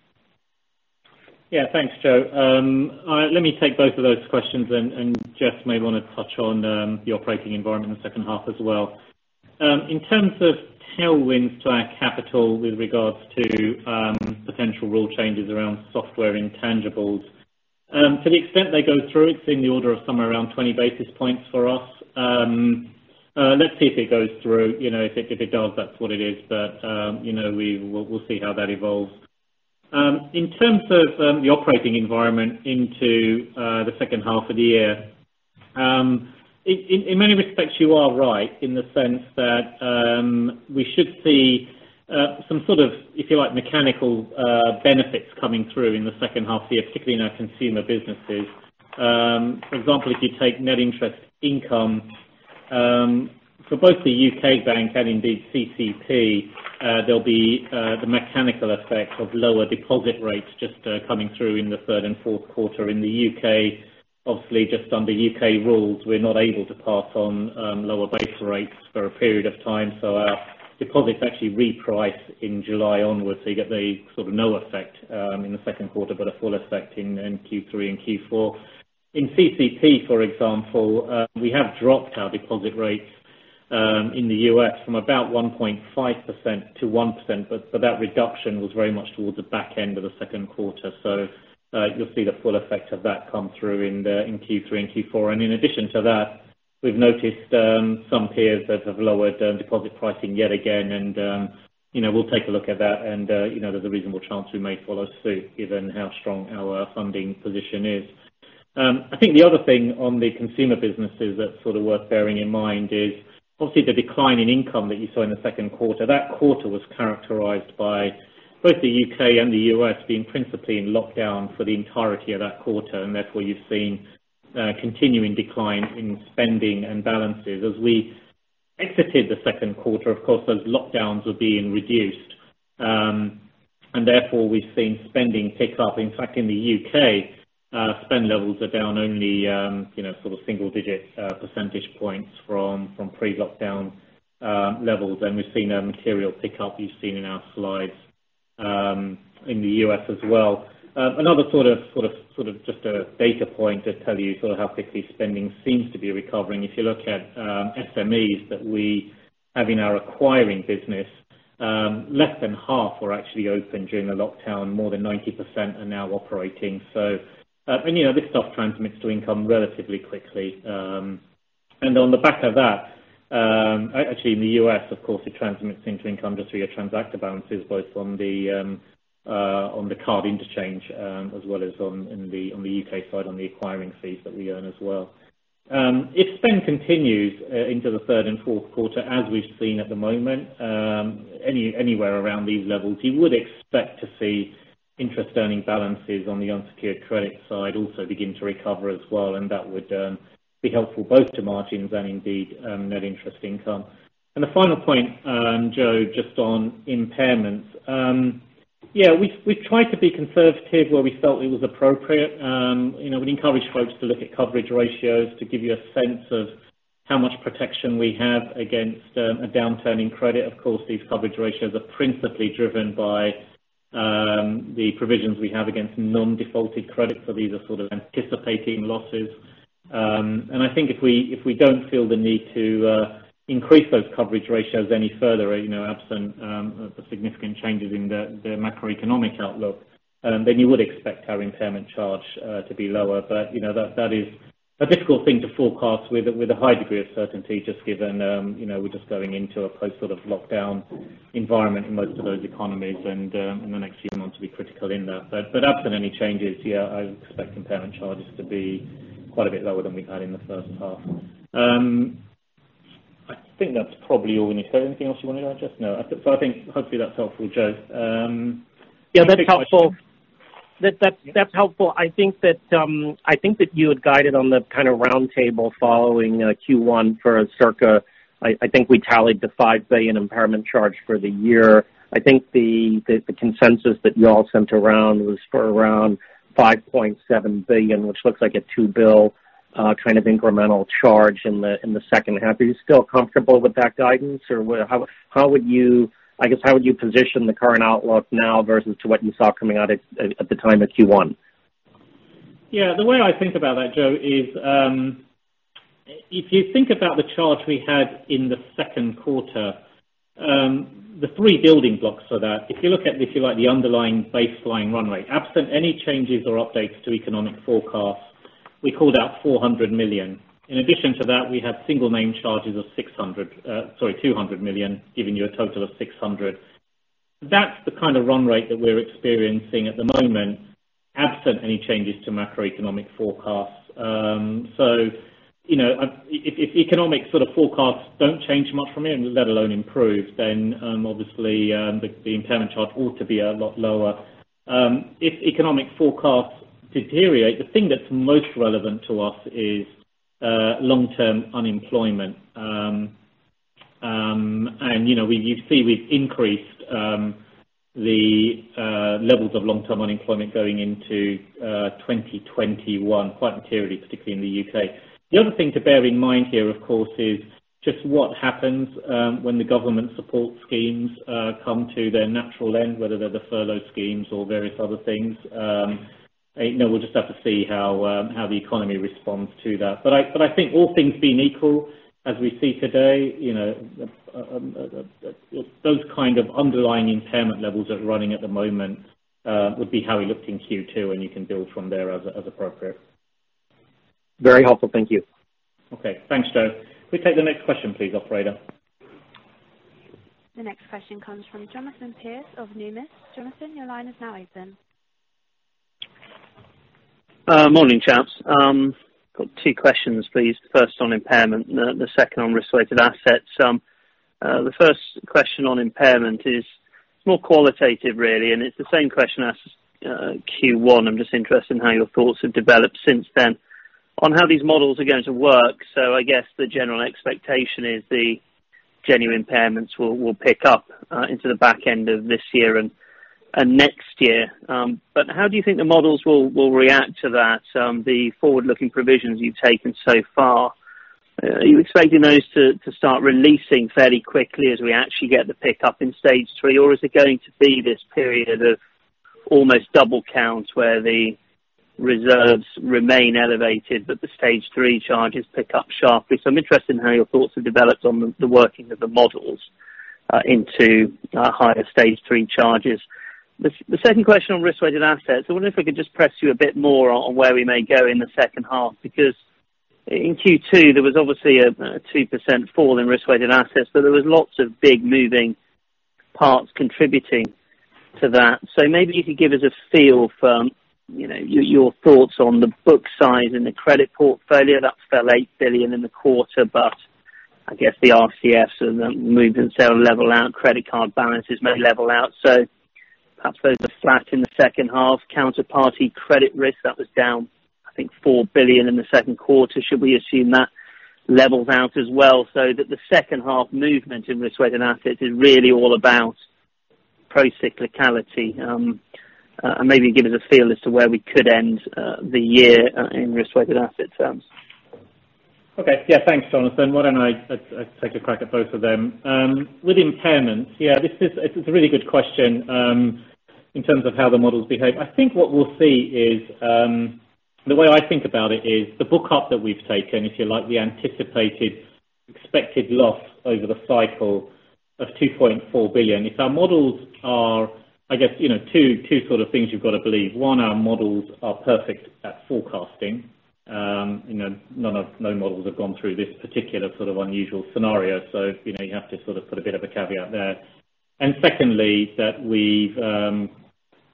Thanks, Joe. Let me take both of those questions, and Jes may want to touch on the operating environment in the second half as well. In terms of tailwinds to our capital with regards to potential rule changes around software intangibles. To the extent they go through, it's in the order of somewhere around 20 basis points for us. Let's see if it goes through. If it does, that's what it is. We'll see how that evolves. In terms of the operating environment into the second half of the year. In many respects, you are right in the sense that we should see some sort of, if you like, mechanical benefits coming through in the second half of the year, particularly in our consumer businesses. For example, if you take net interest income for both the Barclays UK and indeed CC&P, there'll be the mechanical effect of lower deposit rates just coming through in the third and fourth quarter. In the U.K., obviously just under U.K. rules, we're not able to pass on lower base rates for a period of time. Our deposits actually reprice in July onwards. You get the sort of no effect in the second quarter, but a full effect in Q3 and Q4. In CC&P, for example, we have dropped our deposit rates in the U.S. from about 1.5% to 1%, but that reduction was very much towards the back end of the second quarter. You'll see the full effect of that come through in Q3 and Q4. In addition to that, we've noticed some peers that have lowered deposit pricing yet again. We'll take a look at that, and there's a reasonable chance we may follow suit given how strong our funding position is. The other thing on the consumer businesses that's sort of worth bearing in mind is obviously the decline in income that you saw in the second quarter. That quarter was characterized by both the U.K. and the U.S. being principally in lockdown for the entirety of that quarter, and therefore you've seen a continuing decline in spending and balances. As we exited the second quarter, of course, those lockdowns were being reduced. Therefore, we've seen spending pick up. In fact, in the U.K., spend levels are down only sort of single-digit percentage points from pre-lockdown levels. We've seen a material pick up. You've seen in our slides in the U.S. as well. Another sort of just a data point to tell you sort of how quickly spending seems to be recovering. If you look at SMEs that we have in our acquiring business, less than half were actually open during the lockdown. More than 90% are now operating. This stuff transmits to income relatively quickly. On the back of that, actually in the U.S., of course, it transmits into income just through your transactor balances, both on the card interchange as well as on the U.K. side on the acquiring fees that we earn as well. If spend continues into the third and fourth quarter, as we've seen at the moment, anywhere around these levels, you would expect to see interest earning balances on the unsecured credit side also begin to recover as well, and that would be helpful both to margins and indeed net interest income. The final point, Joe, just on impairments. Yeah, we tried to be conservative where we felt it was appropriate. We'd encourage folks to look at coverage ratios to give you a sense of how much protection we have against a downturn in credit. Of course, these coverage ratios are principally driven by the provisions we have against non-defaulted credit, so these are sort of anticipating losses. I think if we don't feel the need to increase those coverage ratios any further, absent the significant changes in the macroeconomic outlook, then you would expect our impairment charge to be lower. That is a difficult thing to forecast with a high degree of certainty, just given we're just going into a post-lockdown environment in most of those economies, and the next few months will be critical in that. Absent any changes, yeah, I expect impairment charges to be quite a bit lower than we've had in the first half. I think that's probably all. Is there anything else you wanted to address? No. Hopefully that's helpful, Joe. Yeah, that's helpful. I think that you had guided on the kind of round table following Q1 for circa, I think we tallied the 5 billion impairment charge for the year. I think the consensus that you all sent around was for around 5.7 billion, which looks like a 2 billion kind of incremental charge in the second half. Are you still comfortable with that guidance? I guess, how would you position the current outlook now versus to what you saw coming out at the time of Q1? Yeah. The way I think about that, Joe, is if you think about the charge we had in the second quarter, the three building blocks for that. If you look at the underlying baseline run rate, absent any changes or updates to economic forecasts, we called out 400 million. In addition to that, we had single name charges of 200 million, giving you a total of 600 million. That's the kind of run rate that we're experiencing at the moment, absent any changes to macroeconomic forecasts. If economic sort of forecasts don't change much from here, let alone improve, then obviously the impairment charge ought to be a lot lower. If economic forecasts deteriorate, the thing that's most relevant to us is long-term unemployment. You see we've increased the levels of long-term unemployment going into 2021 quite materially, particularly in the U.K. The other thing to bear in mind here, of course, is just what happens when the government support schemes come to their natural end, whether they're the furlough schemes or various other things. We'll just have to see how the economy responds to that. I think all things being equal, as we see today, those kind of underlying impairment levels that are running at the moment would be how we looked in Q2, and you can build from there as appropriate. Very helpful. Thank you. Okay. Thanks, Joe. Can we take the next question please, operator? The next question comes from Jonathan Pierce of Numis. Jonathan, your line is now open. Morning, chaps. Got two questions please. First on impairment, the second on risk-weighted assets. The first question on impairment is more qualitative, really, and it's the same question as Q1. I'm just interested in how your thoughts have developed since then on how these models are going to work. I guess the general expectation is the genuine impairments will pick up into the back end of this year and next year. How do you think the models will react to that? The forward-looking provisions you've taken so far, are you expecting those to start releasing fairly quickly as we actually get the pickup in Stage 3? Is it going to be this period of almost double counts, where the reserves remain elevated, but the Stage 3 charges pick up sharply? I'm interested in how your thoughts have developed on the working of the models into higher Stage 3 charges. The second question on risk-weighted assets, I wonder if we could just press you a bit more on where we may go in the second half, because in Q2, there was obviously a 2% fall in risk-weighted assets, but there was lots of big moving parts contributing to that. Maybe you could give us a feel for your thoughts on the book size and the credit portfolio. That fell 8 billion in the quarter, but I guess the RCFs and the movements there will level out. Credit card balances may level out. Perhaps those are flat in the second half. Counterparty credit risk, that was down, I think, 4 billion in the second quarter. Should we assume that levels out as well, so that the second half movement in risk-weighted assets is really all about procyclicality? Maybe give us a feel as to where we could end the year in risk-weighted assets. Okay. Yeah. Thanks, Jonathan. Why don't I take a crack at both of them? With impairments, yeah, this is a really good question in terms of how the models behave. I think what we'll see, the way I think about it is the book-up that we've taken, if you like, the anticipated expected loss over the cycle of 2.4 billion. I guess two sort of things you've got to believe. One, our models are perfect at forecasting. No models have gone through this particular sort of unusual scenario. You have to sort of put a bit of a caveat there. Secondly, that we've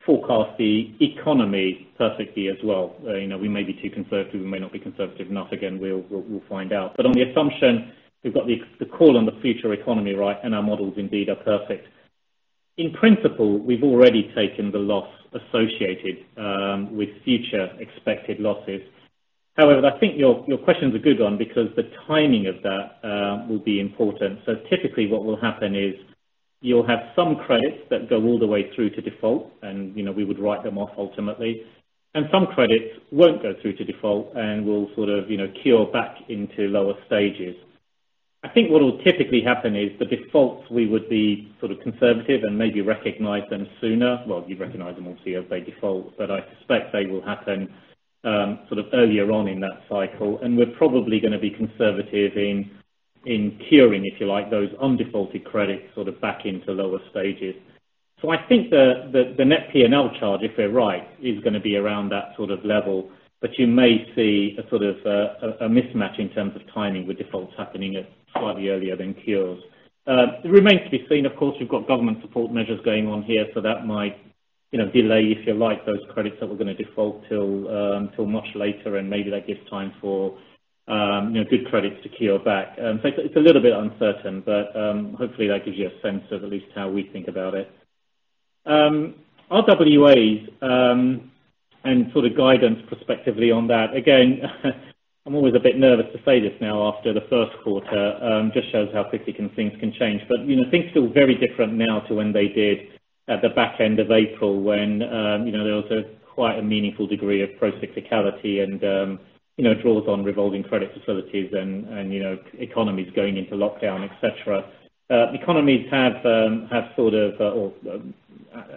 forecast the economy perfectly as well. We may be too conservative, we may not be conservative enough. Again, we'll find out. On the assumption we've got the call on the future economy right and our models indeed are perfect. In principle, we've already taken the loss associated with future expected losses. However, I think your question is a good one because the timing of that will be important. Typically what will happen is you'll have some credits that go all the way through to default and we would write them off ultimately. Some credits won't go through to default and will sort of cure back into lower stages. I think what will typically happen is the defaults we would be conservative and maybe recognize them sooner. Well, you recognize them obviously if they default, but I suspect they will happen sort of earlier on in that cycle. We're probably going to be conservative in curing, if you like, those undefaulted credits back into lower stages. I think the net P&L charge, if we're right, is going to be around that sort of level. You may see a mismatch in terms of timing with defaults happening slightly earlier than cures. It remains to be seen, of course. We've got government support measures going on here, so that might delay, if you like, those credits that were going to default till much later and maybe that gives time for good credits to cure back. It's a little bit uncertain, but hopefully that gives you a sense of at least how we think about it. Our RWAs and sort of guidance prospectively on that. Again, I'm always a bit nervous to say this now after the first quarter. It just shows how quickly things can change. Things feel very different now to when they did at the back end of April when there was quite a meaningful degree of procyclicality and draws on revolving credit facilities and economies going into lockdown, et cetera.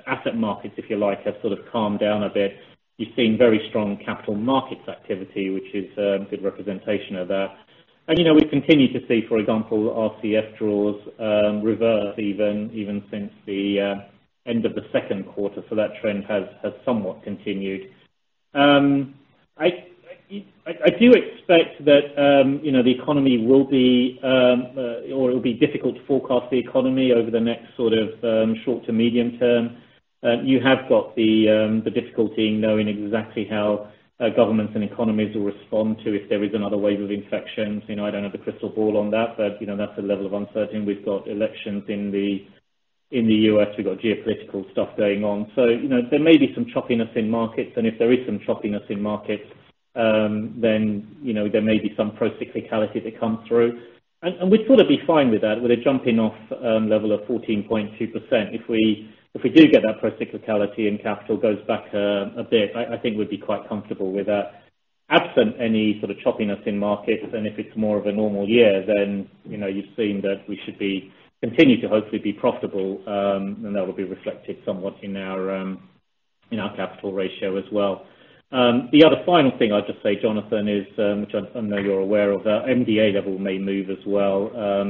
Asset markets, if you like, have sort of calmed down a bit. You've seen very strong capital markets activity, which is a good representation of that. We continue to see, for example, RCF draws reverse even since the end of the second quarter. That trend has somewhat continued. I do expect that it will be difficult to forecast the economy over the next short to medium term. You have got the difficulty in knowing exactly how governments and economies will respond to if there is another wave of infections. I don't have the crystal ball on that, but that's a level of uncertainty. We've got elections in the U.S., we've got geopolitical stuff going on. There may be some choppiness in markets. If there is some choppiness in markets, then there may be some procyclicality that comes through. We'd sort of be fine with that with a jumping off level of 14.2%. If we do get that procyclicality and capital goes back a bit, I think we'd be quite comfortable with that. Absent any sort of choppiness in markets, then if it's more of a normal year, then you've seen that we should continue to hopefully be profitable, and that will be reflected somewhat in our capital ratio as well. The other final thing I'll just say, Jonathan, is, which I know you're aware of, MDA level may move as well.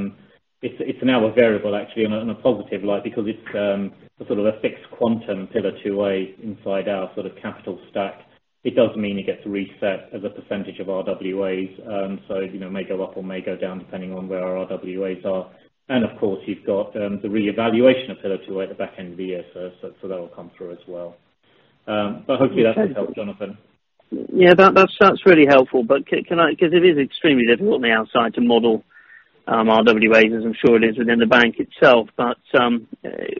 It's now a variable actually in a positive light because it's a sort of a fixed quantum Pillar 2A inside our capital stack. It does mean it gets reset as a percentage of RWAs. It may go up or may go down depending on where our RWAs are. Of course, you've got the reevaluation of Pillar 2A at the back end of the year. That will come through as well. Hopefully that's a help, Jonathan. Yeah. That's really helpful. Because it is extremely difficult on the outside to model our RWAs as I'm sure it is within the bank itself.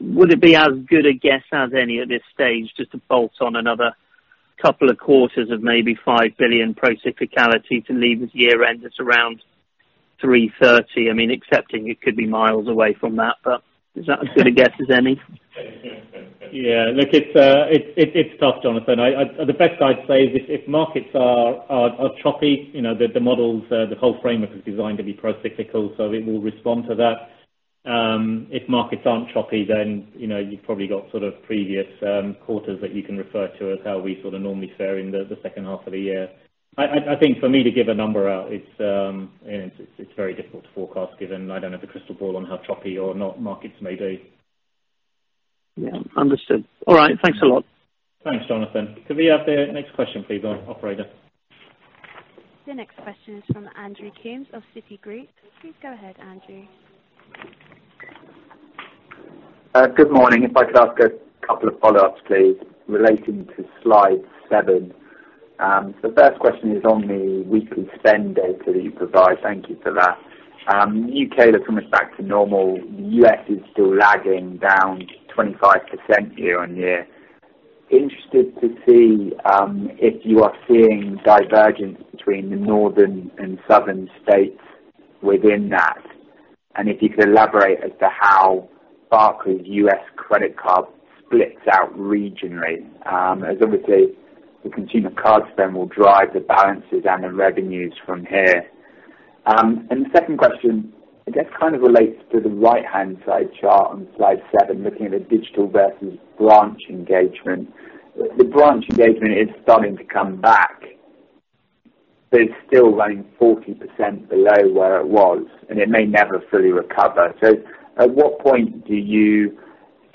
Would it be as good a guess as any at this stage just to bolt on another couple of quarters of maybe 5 billion procyclicality to leave us year end at around 330 billion? Accepting it could be miles away from that, but is that as good a guess as any? It's tough, Jonathan. The best I'd say is if markets are choppy, the models, the whole framework is designed to be procyclical, so it will respond to that. If markets aren't choppy, you've probably got sort of previous quarters that you can refer to as how we sort of normally fare in the second half of the year. I think for me to give a number out, it's very difficult to forecast given I don't have the crystal ball on how choppy or not markets may be. Yeah. Understood. All right. Thanks a lot. Thanks, Jonathan. Could we have the next question, please, operator? The next question is from Andrew Coombs of Citigroup. Please go ahead, Andrew. Good morning. If I could ask a couple of follow-ups, please, relating to slide seven. The first question is on the weekly spend data that you provide. Thank you for that. U.K. looking much back to normal. U.S. is still lagging down 25% year-on-year. Interested to see if you are seeing divergence between the northern and southern states within that, and if you could elaborate as to how Barclays US credit card splits out regionally. Obviously the consumer card spend will drive the balances and the revenues from here. The second question, I guess kind of relates to the right-hand side chart on slide seven, looking at the digital versus branch engagement. The branch engagement is starting to come back, but it's still running 40% below where it was, and it may never fully recover. At what point do you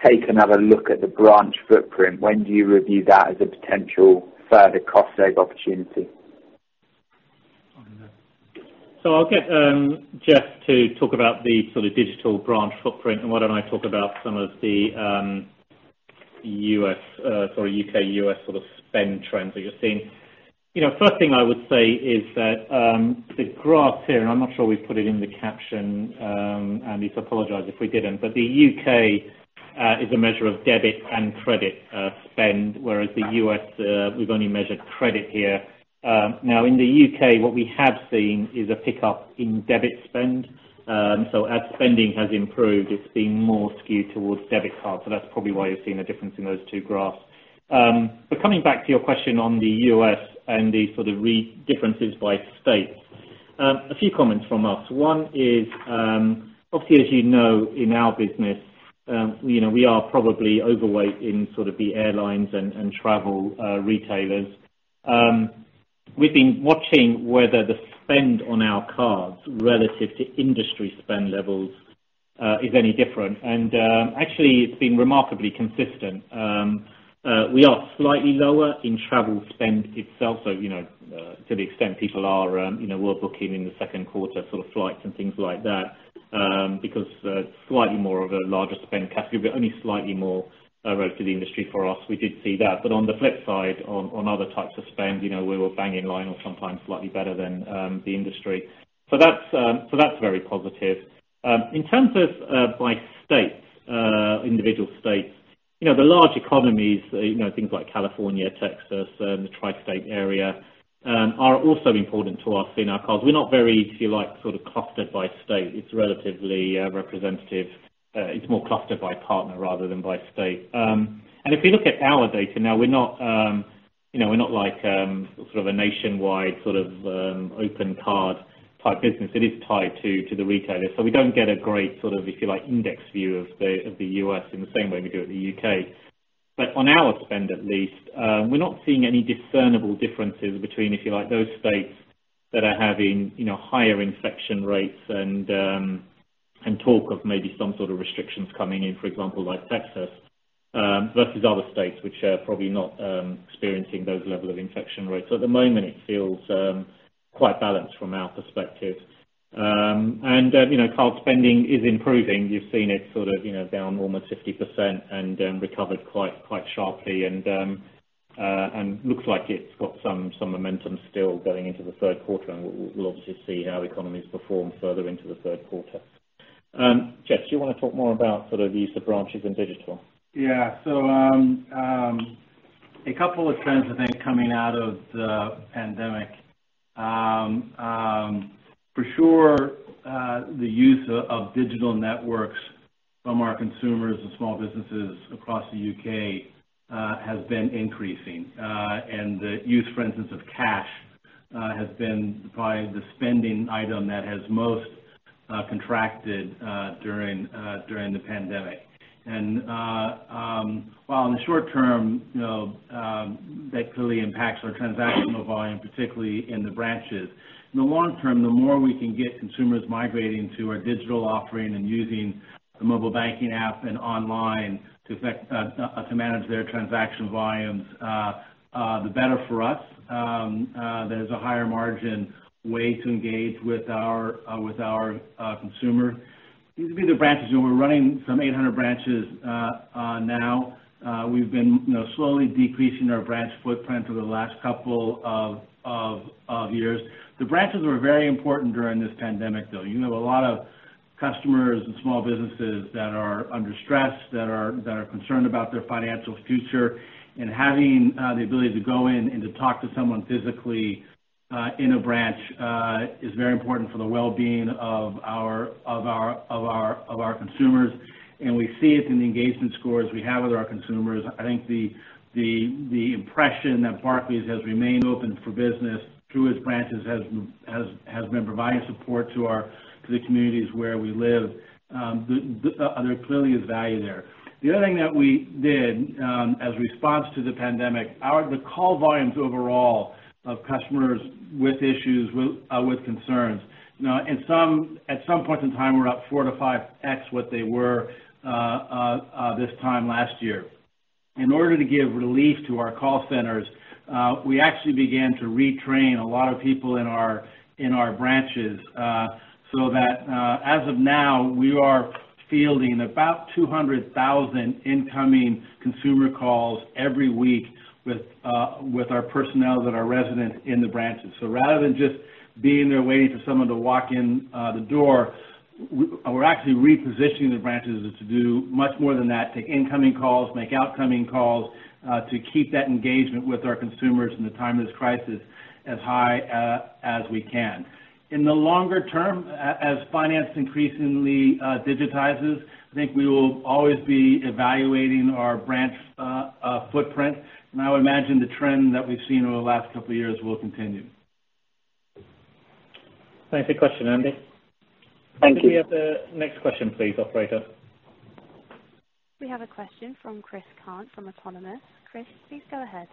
take another look at the branch footprint? When do you review that as a potential further cost save opportunity? I'll get Jes to talk about the digital branch footprint and why don't I talk about some of the U.K./U.S. sort of spend trends that you're seeing. First thing I would say is that the graph here, and I'm not sure we've put it in the caption, Andy, so apologize if we didn't, but the U.K. is a measure of debit and credit spend, whereas the U.S., we've only measured credit here. In the U.K., what we have seen is a pickup in debit spend. As spending has improved, it's been more skewed towards debit cards. That's probably why you're seeing a difference in those two graphs. Coming back to your question on the U.S. and the sort of differences by state. A few comments from us. One is, obviously, as you know, in our business we are probably overweight in sort of the airlines and travel retailers. We've been watching whether the spend on our cards relative to industry spend levels is any different. Actually, it's been remarkably consistent. We are slightly lower in travel spend itself. To the extent people were booking in the second quarter sort of flights and things like that because slightly more of a larger spend category, but only slightly more relative to the industry for us. We did see that. On the flip side, on other types of spend, we were bang in line or sometimes slightly better than the industry. That's very positive. In terms of by states, individual states, the large economies things like California, Texas, the tri-state area, are also important to us in our cards. We're not very, if you like, sort of clustered by state. It's relatively representative. It's more clustered by partner rather than by state. If we look at our data now, we're not like sort of a nationwide sort of open card type business. It is tied to the retailer. We don't get a great, sort of, if you like, index view of the U.S. in the same way we do at the U.K. On our spend at least, we're not seeing any discernible differences between, if you like, those states that are having higher infection rates and talk of maybe some sort of restrictions coming in, for example, like Texas, versus other states which are probably not experiencing those level of infection rates. At the moment it feels quite balanced from our perspective. Card spending is improving. You've seen it sort of down almost 50% and recovered quite sharply and looks like it's got some momentum still going into the third quarter. We'll obviously see how the economies perform further into the third quarter. Jes, do you want to talk more about sort of use of branches and digital? Yeah. A couple of trends, I think, coming out of the pandemic. For sure, the use of digital networks from our consumers and small businesses across the U.K. has been increasing. The use, for instance, of cash has been probably the spending item that has most contracted during the pandemic. While in the short term that clearly impacts our transactional volume, particularly in the branches. In the long term, the more we can get consumers migrating to our digital offering and using the mobile banking app and online to manage their transaction volumes, the better for us. That is a higher-margin way to engage with our consumer. These would be the branches, and we're running some 800 branches now. We've been slowly decreasing our branch footprint for the last couple of years. The branches were very important during this pandemic, though. You have a lot of customers and small businesses that are under stress, that are concerned about their financial future, and having the ability to go in and to talk to someone physically in a branch is very important for the well-being of our consumers. We see it in the engagement scores we have with our consumers. I think the impression that Barclays has remained open for business through its branches, has been providing support to the communities where we live. There clearly is value there. The other thing that we did as response to the pandemic, the call volumes overall of customers with issues, with concerns, at some point in time were up 4x-5x what they were this time last year. In order to give relief to our call centers, we actually began to retrain a lot of people in our branches that as of now we are fielding about 200,000 incoming consumer calls every week with our personnel that are resident in the branches. Rather than just being there waiting for someone to walk in the door, we're actually repositioning the branches to do much more than that. Take incoming calls, make outcoming calls to keep that engagement with our consumers in the time of this crisis as high as we can. In the longer term, as finance increasingly digitizes, I think we will always be evaluating our branch footprint. I would imagine the trend that we've seen over the last couple of years will continue. Thanks for the question, Andy. Thank you. Can we have the next question please, operator? We have a question from Chris Cant from Autonomous. Chris, please go ahead.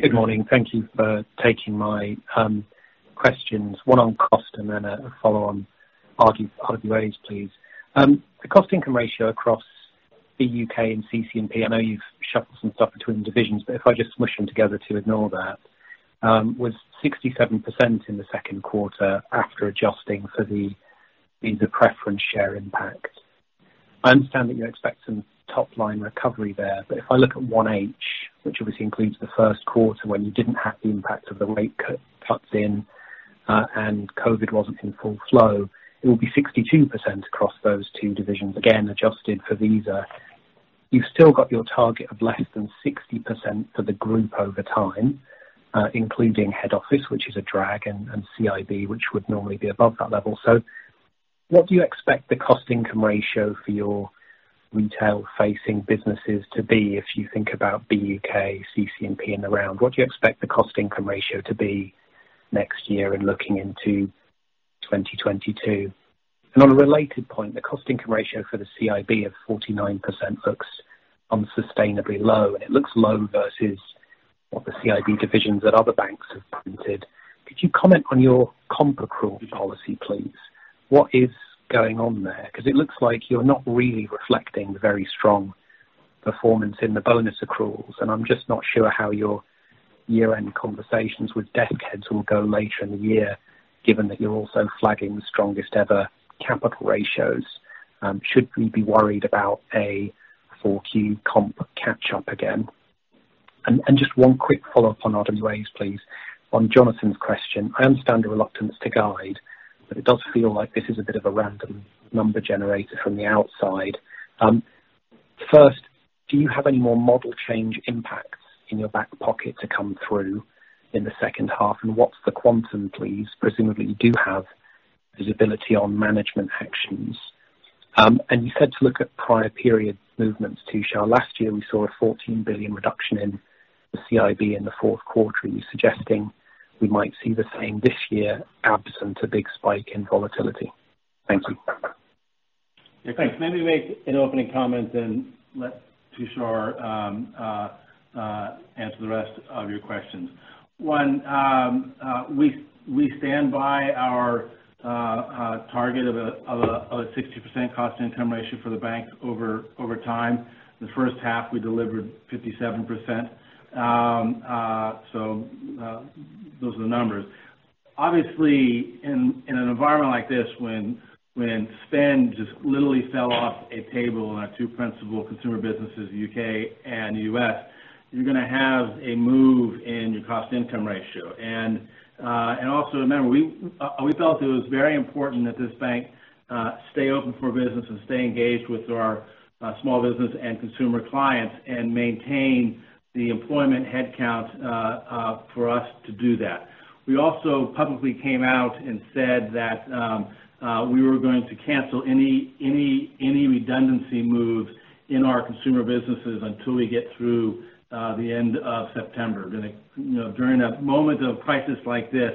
Good morning. Thank you for taking my questions. One on cost and then a follow on RWA, please. The cost-income ratio across the U.K. and CC&P, I know you've shuffled some stuff between divisions, but if I just smoosh them together to ignore that, was 67% in the second quarter after adjusting for the Visa preference share impact. I understand that you expect some top-line recovery there, but if I look at 1H, which obviously includes the first quarter when you didn't have the impact of the rate cuts in and COVID-19 wasn't in full flow, it will be 62% across those two divisions, again, adjusted for Visa. You've still got your target of less than 60% for the group over time, including Head Office, which is a drag, and CIB, which would normally be above that level. What do you expect the cost-income ratio for your retail-facing businesses to be if you think about BUK, CC&P in the round? What do you expect the cost-income ratio to be next year and looking into 2022? On a related point, the cost-income ratio for the CIB of 49% looks unsustainably low, and it looks low versus what the CIB divisions at other banks have printed. Could you comment on your comp accrual policy, please? What is going on there? It looks like you're not really reflecting the very strong performance in the bonus accruals, and I'm just not sure how your year-end conversations with desk heads will go later in the year, given that you're also flagging the strongest-ever capital ratios. Should we be worried about a 4Q comp catch up again? Just one quick follow-up on RWAs, please. On Jonathan's question, I understand the reluctance to guide, but it does feel like this is a bit of a random number generator from the outside. First, do you have any more model change impacts in your back pocket to come through in the second half? What's the quantum, please? Presumably, you do have visibility on management actions. You said to look at prior-period movements to show last year we saw a 14 billion reduction in the CIB in the fourth quarter. Are you suggesting we might see the same this year absent a big spike in volatility? Thank you. Thanks. Maybe make an opening comment, then let Tushar answer the rest of your questions. We stand by our target of a 60% cost-income ratio for the bank over time. The first half, we delivered 57%, so those are the numbers. In an environment like this, when spend just literally fell off a table in our two principal consumer businesses, U.K. and U.S., you're going to have a move in your cost-income ratio. Also remember, we felt it was very important that this bank stay open for business and stay engaged with our small business and consumer clients and maintain the employment headcount for us to do that. We also publicly came out and said that we were going to cancel any redundancy moves in our consumer businesses until we get through the end of September. During a moment of crisis like this,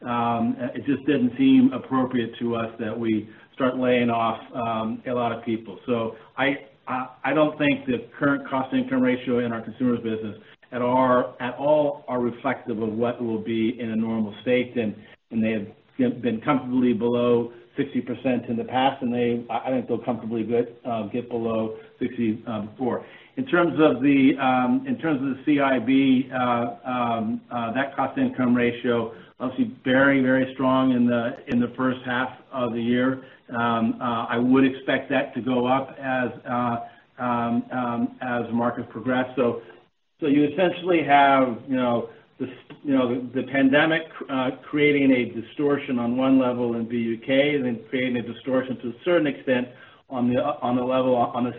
it just didn't seem appropriate to us that we start laying off a lot of people. I don't think the current cost-income ratio in our consumers business at all are reflective of what will be in a normal state. They have been comfortably below 60% in the past, and I think they'll comfortably get below 60%. In terms of the CIB, that cost-income ratio, obviously very, very strong in the first half of the year. I would expect that to go up as markets progress. You essentially have the pandemic creating a distortion on one level in BUK and then creating a distortion to a certain extent on the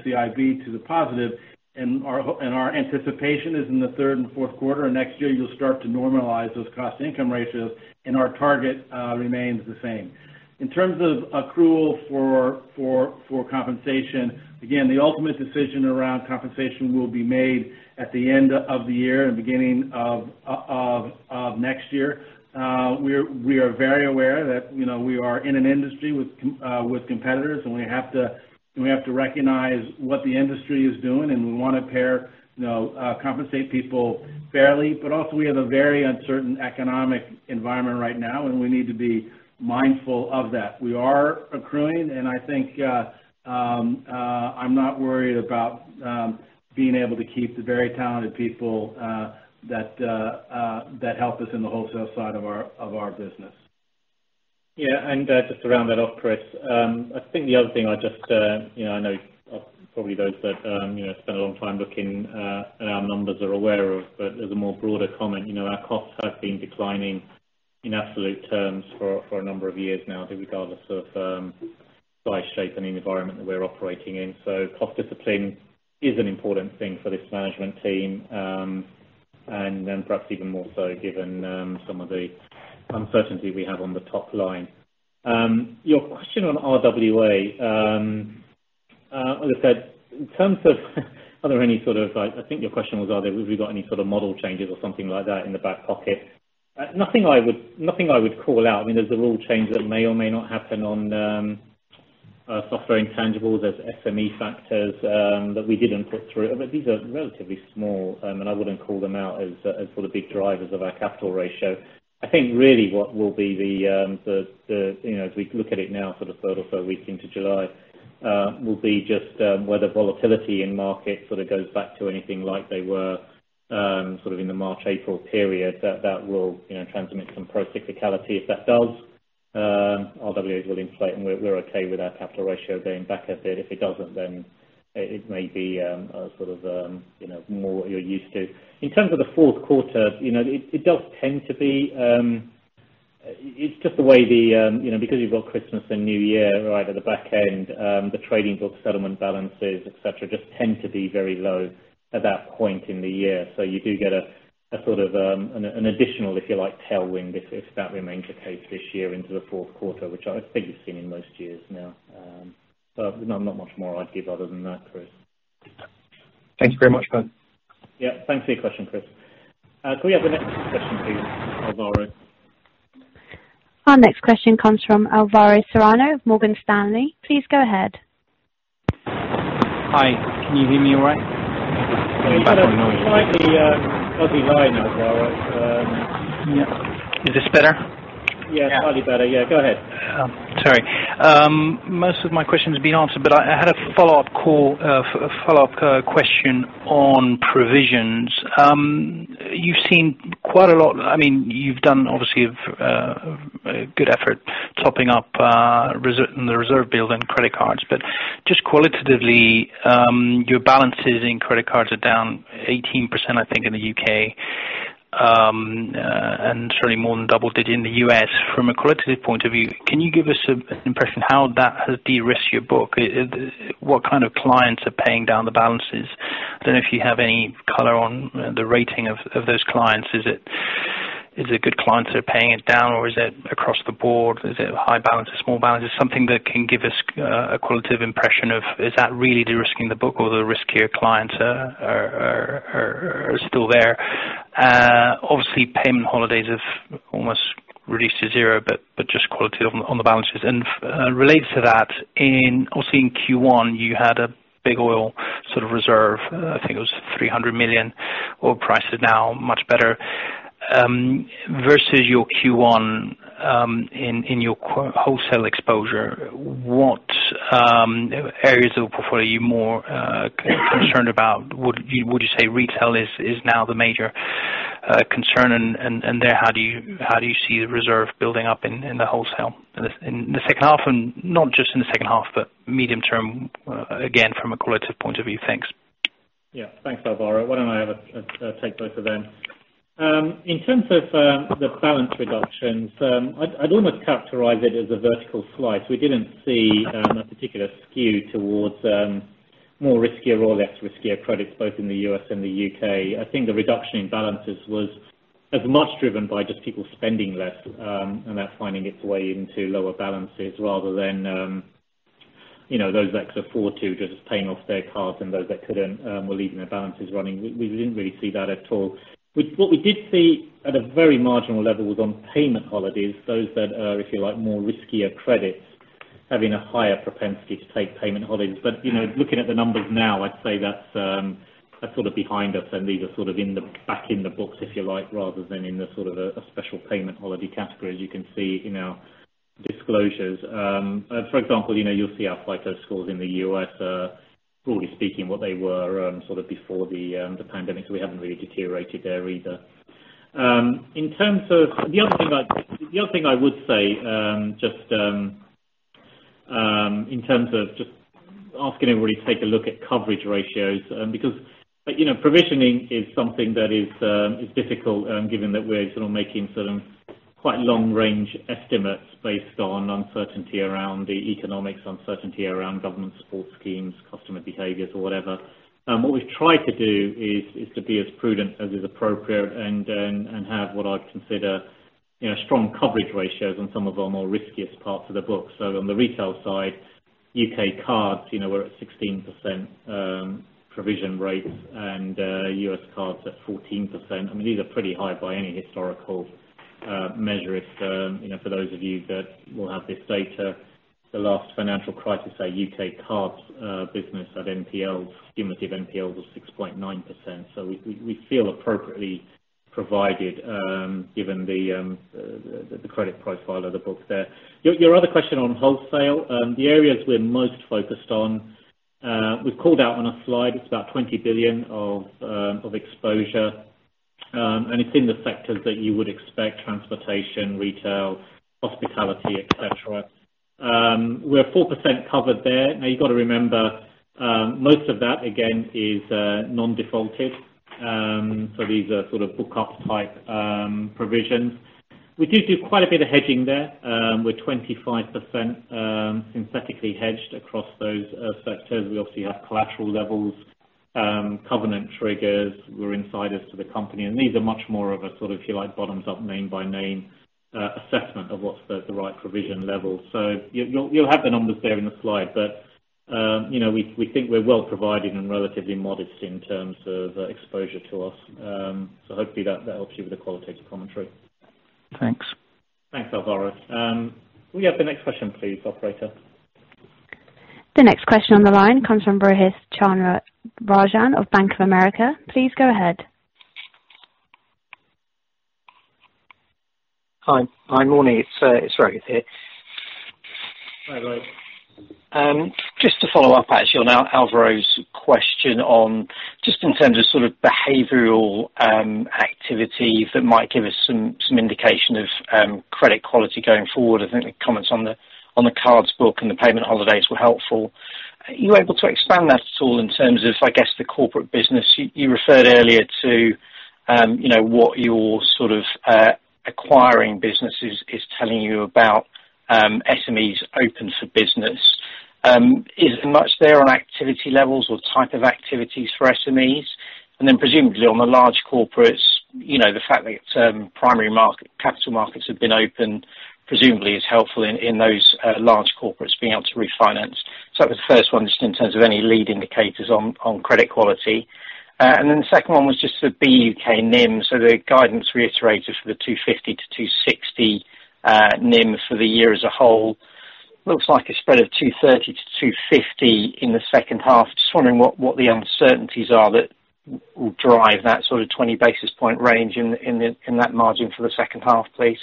CIB to the positive. Our anticipation is in the third and fourth quarter, and next year, you'll start to normalize those cost-income ratios, and our target remains the same. In terms of accrual for compensation, again, the ultimate decision around compensation will be made at the end of the year and beginning of next year. We are very aware that we are in an industry with competitors, and we have to recognize what the industry is doing, and we want to compensate people fairly. Also we have a very uncertain economic environment right now, and we need to be mindful of that. We are accruing, I think I'm not worried about being able to keep the very talented people that help us in the wholesale side of our business. Yeah. Just to round that off, Chris. I know probably those that spend a lot of time looking at our numbers are aware of, but as a more broader comment, our costs have been declining in absolute terms for a number of years now, regardless of size, shape, and the environment that we're operating in. Cost discipline is an important thing for this management team. Perhaps even more so given some of the uncertainty we have on the top line. Your question on RWA. As I said, in terms of are there any sort of like I think your question was have we got any sort of model changes or something like that in the back pocket? Nothing I would call out. I mean, there's a rule change that may or may not happen on software intangibles. There's SME factors that we didn't put through. These are relatively small, and I wouldn't call them out as sort of big drivers of our capital ratio. I think really what will be the, as we look at it now for the third or so week into July will be just whether volatility in markets sort of goes back to anything like they were in the March, April period, that will transmit some procyclicality. If that does, RWAs will inflate, and we're okay with our capital ratio going back a bit. If it doesn't, it may be more what you're used to. In terms of the fourth quarter, it does tend to be, because you've got Christmas and New Year right at the back end, the trading book settlement balances, et cetera, just tend to be very low at that point in the year. You do get an additional, if you like, tailwind if that remains the case this year into the fourth quarter, which I think you've seen in most years now. There's not much more I'd give other than that, Chris. Thanks very much, guys. Yeah. Thanks for your question, Chris. Could we have the next question please? Alvaro. Our next question comes from Alvaro Serrano of Morgan Stanley. Please go ahead. Hi. Can you hear me all right? There's some noise. It might be the slightly fuzzy line, Alvaro. Is this better? Yeah. Slightly better. Yeah, go ahead. Sorry. Most of my question has been answered. I had a follow-up question on provisions. You've seen quite a lot. You've done, obviously, a good effort topping up the reserve build in credit cards. Just qualitatively, your balances in credit cards are down 18%, I think, in the U.K., and certainly more than double digit in the U.S. From a qualitative point of view, can you give us an impression how that has de-risked your book? What kind of clients are paying down the balances? Don't know if you have any color on the rating of those clients. Is it good clients that are paying it down, or is it across the board? Is it high balance or small balance? Something that can give us a qualitative impression of is that really de-risking the book or the riskier clients are still there? Obviously, payment holidays have almost reduced to zero, but just qualitative on the balances. Relates to that, also in Q1, you had a big oil sort of reserve. I think it was 300 million. Oil price is now much better. Versus your Q1 in your wholesale exposure, what areas of the portfolio are you more concerned about? Would you say retail is now the major concern? There, how do you see the reserve building up in the wholesale in the second half? Not just in the second half, but medium term, again, from a qualitative point of view. Thanks. Yeah. Thanks, Alvaro. Why don't I have a takeaway for them? In terms of the balance reductions, I'd almost characterize it as a vertical slice. We didn't see a particular skew towards more riskier or less riskier credits both in the U.S. and the U.K. I think the reduction in balances was as much driven by just people spending less, and that finding its way into lower balances rather than those that could afford to just paying off their cards and those that couldn't were leaving their balances running. We didn't really see that at all. What we did see at a very marginal level was on payment holidays, those that are, if you like, more riskier credits having a higher propensity to take payment holidays. Looking at the numbers now, I'd say that's sort of behind us, and these are back in the books, if you like, rather than in a special payment holiday category, as you can see in our disclosures. For example, you'll see our FICO scores in the U.S. are broadly speaking, what they were before the pandemic. We haven't really deteriorated there either. The other thing I would say, just in terms of asking everybody to take a look at coverage ratios, because provisioning is something that is difficult, given that we're making quite long-range estimates based on uncertainty around the economics, uncertainty around government support schemes, customer behaviors or whatever. What we've tried to do is to be as prudent as is appropriate and have what I'd consider strong coverage ratios on some of our more riskiest parts of the book. On the retail side, U.K. cards, we're at 16% provision rates and U.S. cards at 14%. These are pretty high by any historical measure. For those of you that will have this data, the last financial crisis, our U.K. cards business at cumulative NPL was 6.9%. We feel appropriately provided given the credit profile of the book there. Your other question on wholesale. The areas we're most focused on, we've called out on a slide. It's about 20 billion of exposure. It's in the sectors that you would expect: transportation, retail, hospitality, et cetera. We're 4% covered there. You've got to remember, most of that, again, is non-defaulted. These are sort of book-up type provisions. We do quite a bit of hedging there. We're 25% synthetically hedged across those sectors. We obviously have collateral levels, covenant triggers. We're insiders to the company. These are much more of a, if you like, bottoms-up name-by-name assessment of what's the right provision level. You'll have the numbers there in the slide. We think we're well provided and relatively modest in terms of exposure to us. Hopefully that helps you with the qualitative commentary. Thanks. Thanks, Alvaro. Can we have the next question please, operator? The next question on the line comes from Rohith Chandra-Rajan of Bank of America. Please go ahead. Hi, morning. It's Rohith here. Hi, Rohith. Just to follow up actually on Alvaro's question on just in terms of sort of behavioral activity that might give us some indication of credit quality going forward. I think the comments on the cards book and the payment holidays were helpful. Are you able to expand that at all in terms of, I guess, the corporate business? You referred earlier to what your sort of acquiring business is telling you about SMEs open for business. Is there much there on activity levels or type of activities for SMEs? Presumably on the large corporates, the fact that its primary capital markets have been open, presumably is helpful in those large corporates being able to refinance. That was the first one, just in terms of any lead indicators on credit quality. The second one was just the BUK NIM. The guidance reiterated for the 250-260 basis points NIM for the year as a whole. It looks like a spread of 230-250 basis points in the second half. I am just wondering what the uncertainties are that will drive that sort of 20 basis point range in that margin for the second half, please?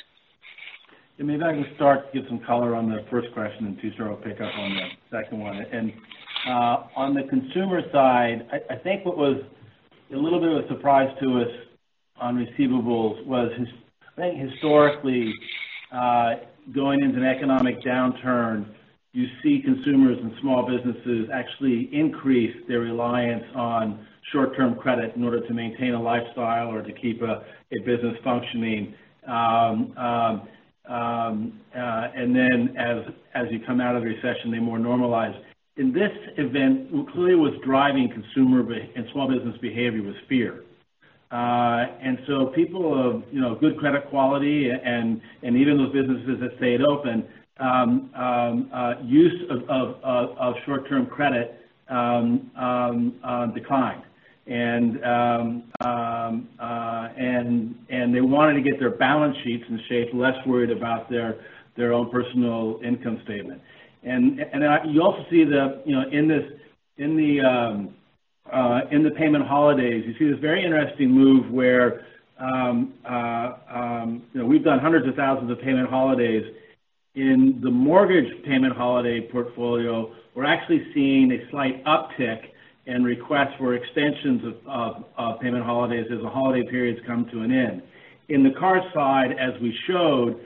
Yeah. Maybe I can start to give some color on the first question, Tushar will pick up on the second one. On the consumer side, I think what was a little bit of a surprise to us on receivables was, I think historically, going into an economic downturn, you see consumers and small businesses actually increase their reliance on short-term credit in order to maintain a lifestyle or to keep a business functioning. As you come out of the recession, they more normalize. In this event, clearly what's driving consumer and small business behavior was fear. People of good credit quality and even those businesses that stayed open, use of short-term credit declined. They wanted to get their balance sheets in shape, less worried about their own personal income statement. You also see in the payment holidays, you see this very interesting move where we've done hundreds of thousands of payment holidays. In the mortgage payment holiday portfolio, we're actually seeing a slight uptick in requests for extensions of payment holidays as the holiday periods come to an end. In the card side, as we showed,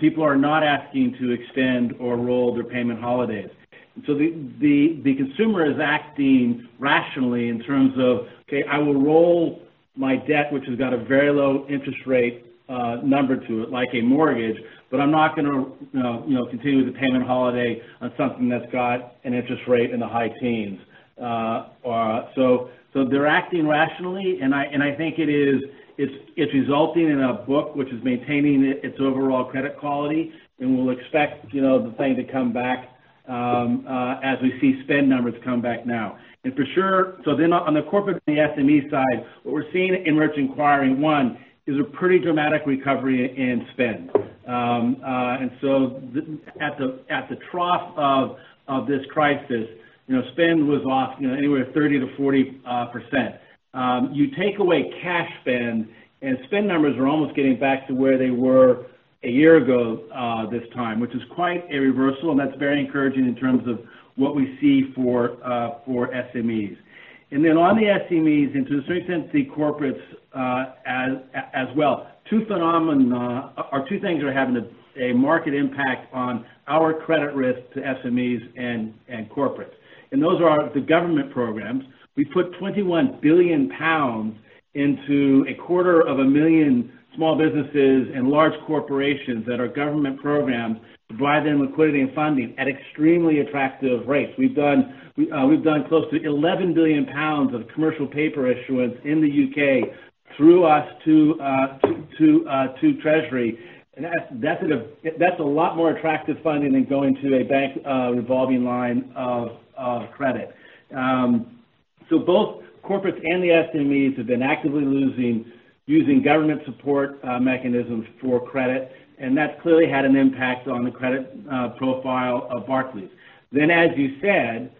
people are not asking to extend or roll their payment holidays. The consumer is acting rationally in terms of, "okay, I will roll my debt, which has got a very low interest rate number to it, like a mortgage, but I'm not going to continue the payment holiday on something that's got an interest rate in the high teens." They're acting rationally, and I think it's resulting in a book which is maintaining its overall credit quality. We'll expect the thing to come back as we see spend numbers come back now. For sure, on the corporate and the SME side, what we're seeing in merchant acquiring, one, is a pretty dramatic recovery in spend. At the trough of this crisis, spend was off anywhere 30%-40%. You take away cash spend, and spend numbers are almost getting back to where they were a year ago this time, which is quite a reversal, and that's very encouraging in terms of what we see for SMEs. On the SMEs, and to a certain extent, the corporates as well. Two things are having a market impact on our credit risk to SMEs and corporates. Those are the government programs. We put 21 billion pounds into a quarter of a million small businesses and large corporations that are government programs to provide them liquidity and funding at extremely attractive rates. We've done close to 11 billion pounds of commercial paper issuance in the U.K. through us to Treasury. That's a lot more attractive funding than going to a bank revolving line of credit. Both corporates and the SMEs have been actively using government support mechanisms for credit, and that's clearly had an impact on the credit profile of Barclays. As you said,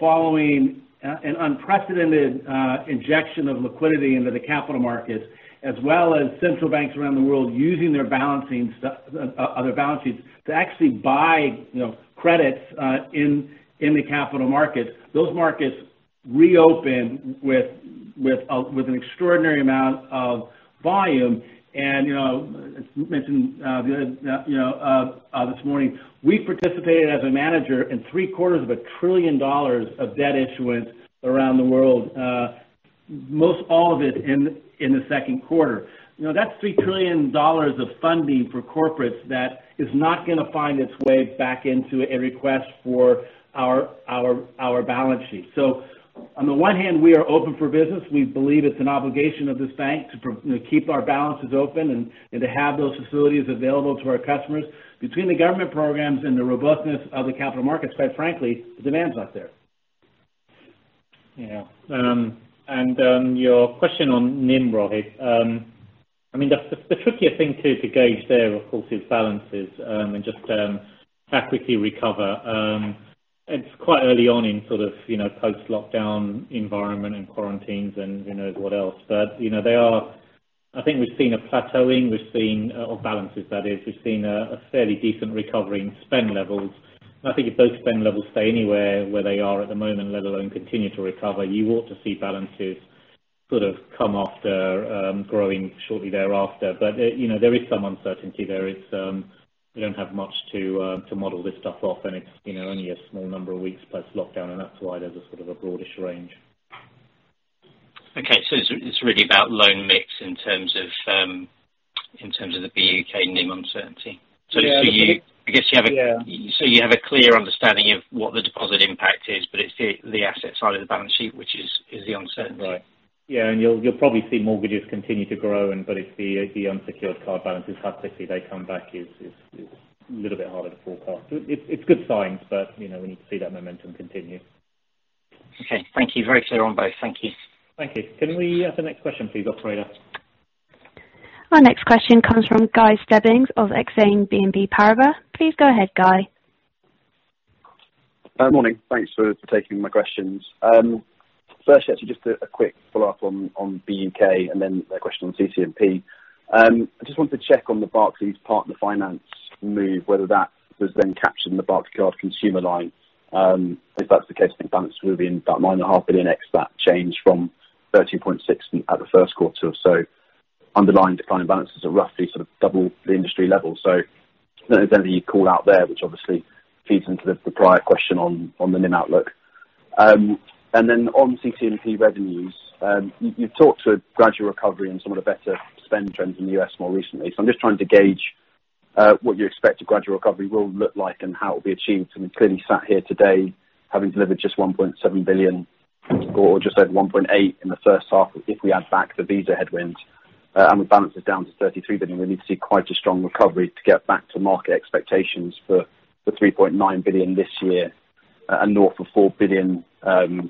following an unprecedented injection of liquidity into the capital markets, as well as central banks around the world using their balances to actually buy credits in the capital markets, those markets reopen with an extraordinary amount of volume. As mentioned this morning, we participated as a manager in $0.75 trillion of debt issuance around the world. Most all of it in the second quarter. That's $0.75 trillion of funding for corporates that is not going to find its way back into a request for our balance sheet. On the one hand, we are open for business. We believe it's an obligation of this bank to keep our balances open and to have those facilities available to our customers. Between the government programs and the robustness of the capital markets, quite frankly, the demand's not there. Your question on NIM, Rohith. The trickier thing to gauge there, of course, is balances and just how quickly recover. It's quite early on in post-lockdown environment and quarantines and who knows what else. I think we've seen a plateauing of balances. We've seen a fairly decent recovery in spend levels. I think if those spend levels stay anywhere where they are at the moment, let alone continue to recover, you ought to see balances come after growing shortly thereafter. There is some uncertainty there. We don't have much to model this stuff off, and it's only a small number of weeks post-lockdown, and that's why there's a broadish range. Okay. It's really about loan mix in terms of the BUK NIM uncertainty. Yeah. You have a clear understanding of what the deposit impact is, but it's the asset side of the balance sheet, which is the uncertainty. Right. Yeah, you'll probably see mortgages continue to grow, but if the unsecured card balances, how quickly they come back is a little bit harder to forecast. It's good signs, but we need to see that momentum continue. Okay. Thank you. Very clear on both. Thank you. Thank you. Can we have the next question please, operator? Our next question comes from Guy Stebbings of Exane BNP Paribas. Please go ahead, Guy. Morning. Thanks for taking my questions. Firstly, actually just a quick follow-up on BUK and then a question on CC&P. I just wanted to check on the Barclays Partner Finance move, whether that was then captured in the Barclaycard consumer line. If that's the case, the balance will be about 9.5 billion ex that change from 13.6 at the first quarter. Underlying declining balances are roughly double the industry level. And then the callout there, which obviously feeds into the prior question on the NIM outlook. On CC&P revenues, you've talked to gradual recovery and some of the better spend trends in the U.S. more recently. I'm just trying to gauge what you expect the gradual recovery will look like and how it'll be achieved. Because we're clearly sat here today having delivered just 1.7 billion or just over 1.8 in the first half if we add back the Visa headwind, and with balances down to 33 billion, we need to see quite a strong recovery to get back to market expectations for the 3.9 billion this year and north of 4 billion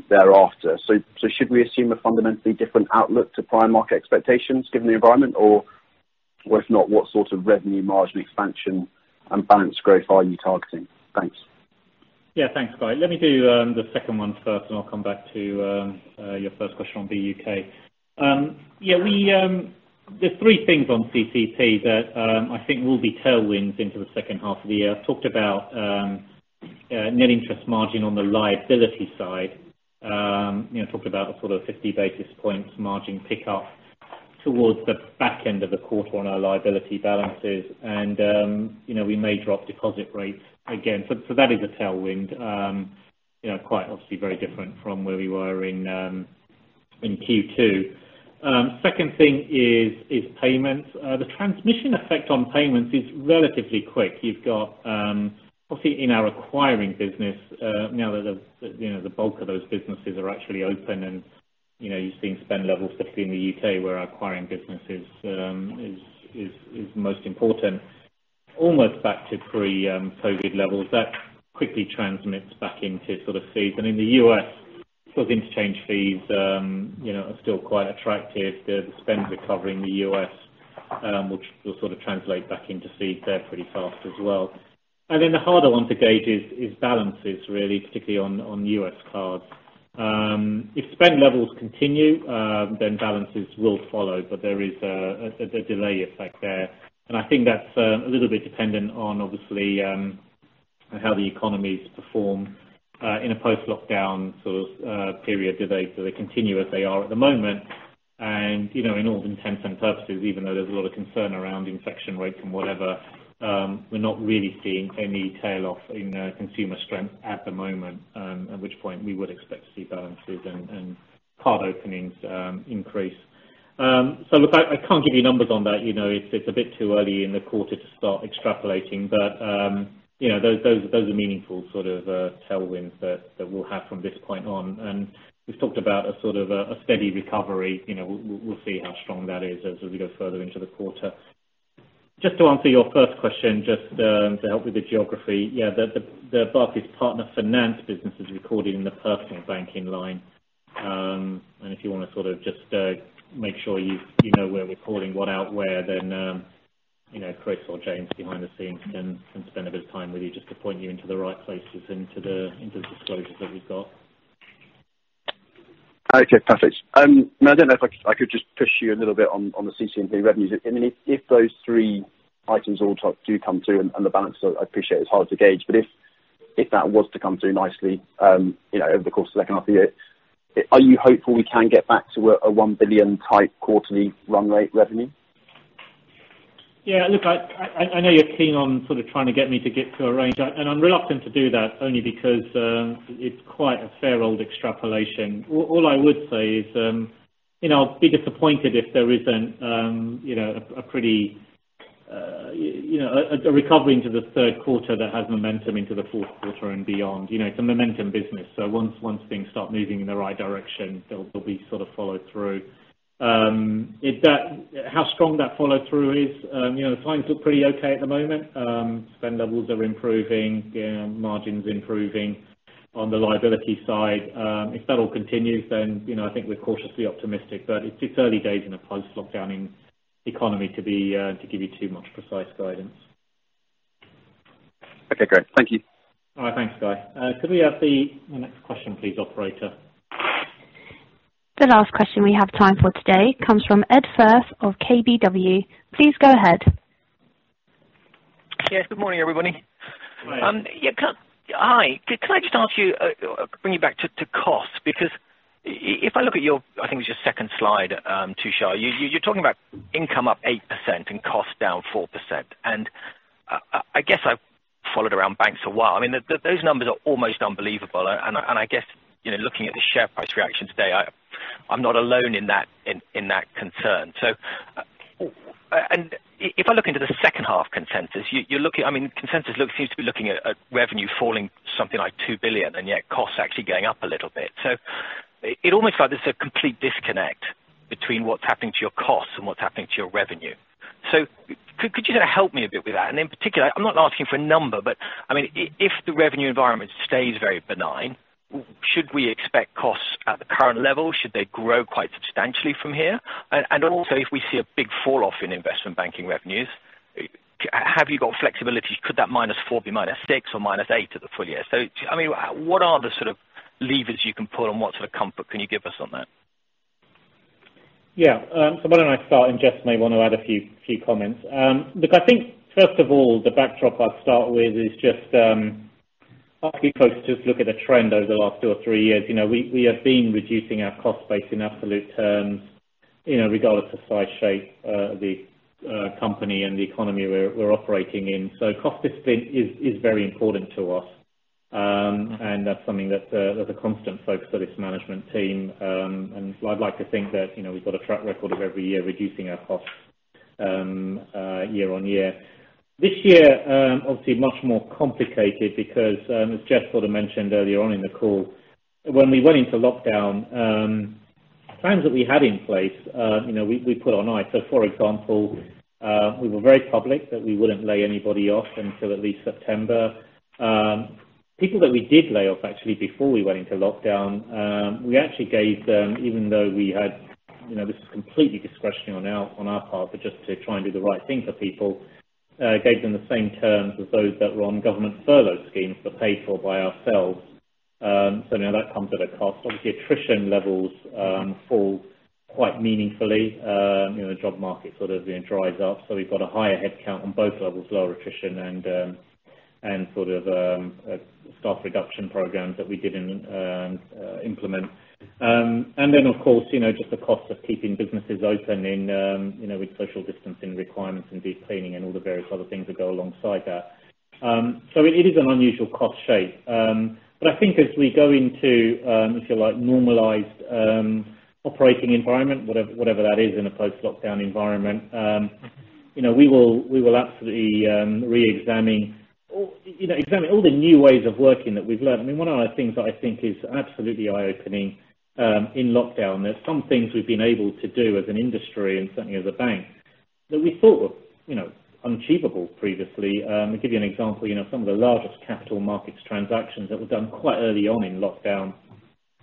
thereafter. Should we assume a fundamentally different outlook to prior market expectations given the environment? If not, what sort of revenue margin expansion and balance growth are you targeting? Thanks. Thanks, Guy. Let me do the second one first, and I'll come back to your first question on BUK. There's three things on CC&P that I think will be tailwinds into the second half of the year. I've talked about net interest margin on the liability side. I talked about a 50 basis points margin pickup towards the back end of the quarter on our liability balances. We may drop deposit rates again. That is a tailwind quite obviously very different from where we were in Q2. Second thing is payments. The transmission effect on payments is relatively quick. You've got obviously in our acquiring business now that the bulk of those businesses are actually open and you're seeing spend levels, particularly in the U.K. where our acquiring business is most important, almost back to pre-COVID levels. That quickly transmits back into fees. In the U.S., interchange fees are still quite attractive. The spend's recovering in the U.S. which will translate back into fees there pretty fast as well. Then the harder one to gauge is balances really, particularly on U.S. cards. If spend levels continue, then balances will follow, but there is a delay effect there. I think that's a little bit dependent on obviously how the economies perform in a post-lockdown period. Do they continue as they are at the moment? In all intents and purposes, even though there's a lot of concern around infection rates and whatever, we're not really seeing any tail-off in consumer strength at the moment, at which point we would expect to see balances and card openings increase. Look, I can't give you numbers on that. It's a bit too early in the quarter to start extrapolating. Those are meaningful tailwinds that we'll have from this point on. We've talked about a steady recovery. We'll see how strong that is as we go further into the quarter. Just to answer your first question, just to help with the geography. Yeah. The Barclays Partner Finance business is recorded in the personal banking line. If you want to just make sure you know we're recording what out where, then Chris or James behind the scenes can spend a bit of time with you just to point you into the right places into the disclosures that we've got. Okay, perfect. I don't know if I could just push you a little bit on the CC&P revenues. If those three items all do come through and the balance, I appreciate it's hard to gauge, but if that was to come through nicely over the course of the second half of the year, are you hopeful we can get back to a 1 billion type quarterly run rate revenue? Yeah. Look, I know you're keen on trying to get me to get to a range. I'm reluctant to do that only because it's quite a fair old extrapolation. All I would say is I'll be disappointed if there isn't a recovery into the third quarter that has momentum into the fourth quarter and beyond. It's a momentum business, once things start moving in the right direction, they'll be followed through. How strong that follow-through is? Signs look pretty okay at the moment. Spend levels are improving, margins improving on the liability side. If that all continues, I think we're cautiously optimistic. It's early days in a post-lockdown environment to give you too much precise guidance. Okay, great. Thank you. All right. Thanks, Guy. Could we have the next question please, operator? The last question we have time for today comes from Ed Firth of KBW. Please go ahead. Yes. Good morning, everybody. Morning. Hi. Could I just bring you back to cost? If I look at your, I think it's your second slide, Tushar, you're talking about income up 8% and cost down 4%. I guess I've followed around banks a while. Those numbers are almost unbelievable, and I guess, looking at the share price reaction today, I'm not alone in that concern. If I look into the second half consensus seems to be looking at revenue falling something like 2 billion, and yet costs actually going up a little bit. It almost feels like there's a complete disconnect between what's happening to your costs and what's happening to your revenue. Could you help me a bit with that? In particular, I'm not asking for a number, but if the revenue environment stays very benign, should we expect costs at the current level? Should they grow quite substantially from here? Also if we see a big fall-off in investment banking revenues, have you got flexibility? Could that -4% be -6% or -8% at the full year? What are the sort of levers you can pull and what sort of comfort can you give us on that? Yeah. Why don't I start, and Jes may want to add a few comments. Look, I think first of all, the backdrop I'd start with is just ask you folks to just look at a trend over the last two or three years. We have been reducing our cost base in absolute terms regardless of size, shape of the company and the economy we're operating in. Cost discipline is very important to us. That's something that's a constant focus for this management team. I'd like to think that we've got a track record of every year reducing our costs year on year. This year, obviously much more complicated because as Jes mentioned earlier on in the call, when we went into lockdown, plans that we had in place we put on ice. For example, we were very public that we wouldn't lay anybody off until at least September. People that we did lay off actually before we went into lockdown, we actually gave them, even though we had this was completely discretionary on our part, but just to try and do the right thing for people, gave them the same terms as those that were on government furlough schemes but paid for by ourselves. Now that comes at a cost. Obviously, attrition levels fall quite meaningfully. The job market dries up. We've got a higher headcount on both levels, lower attrition and staff reduction programs that we didn't implement. Of course, just the cost of keeping businesses open with social distancing requirements and deep cleaning and all the various other things that go alongside that. It is an unusual cost shape. I think as we go into a normalized operating environment, whatever that is in a post-lockdown environment, we will absolutely reexamine all the new ways of working that we've learned. One of the things that I think is absolutely eye-opening in lockdown, there are some things we've been able to do as an industry and certainly as a bank that we thought were unachievable previously. To give you an example, some of the largest capital markets transactions that were done quite early on in lockdown.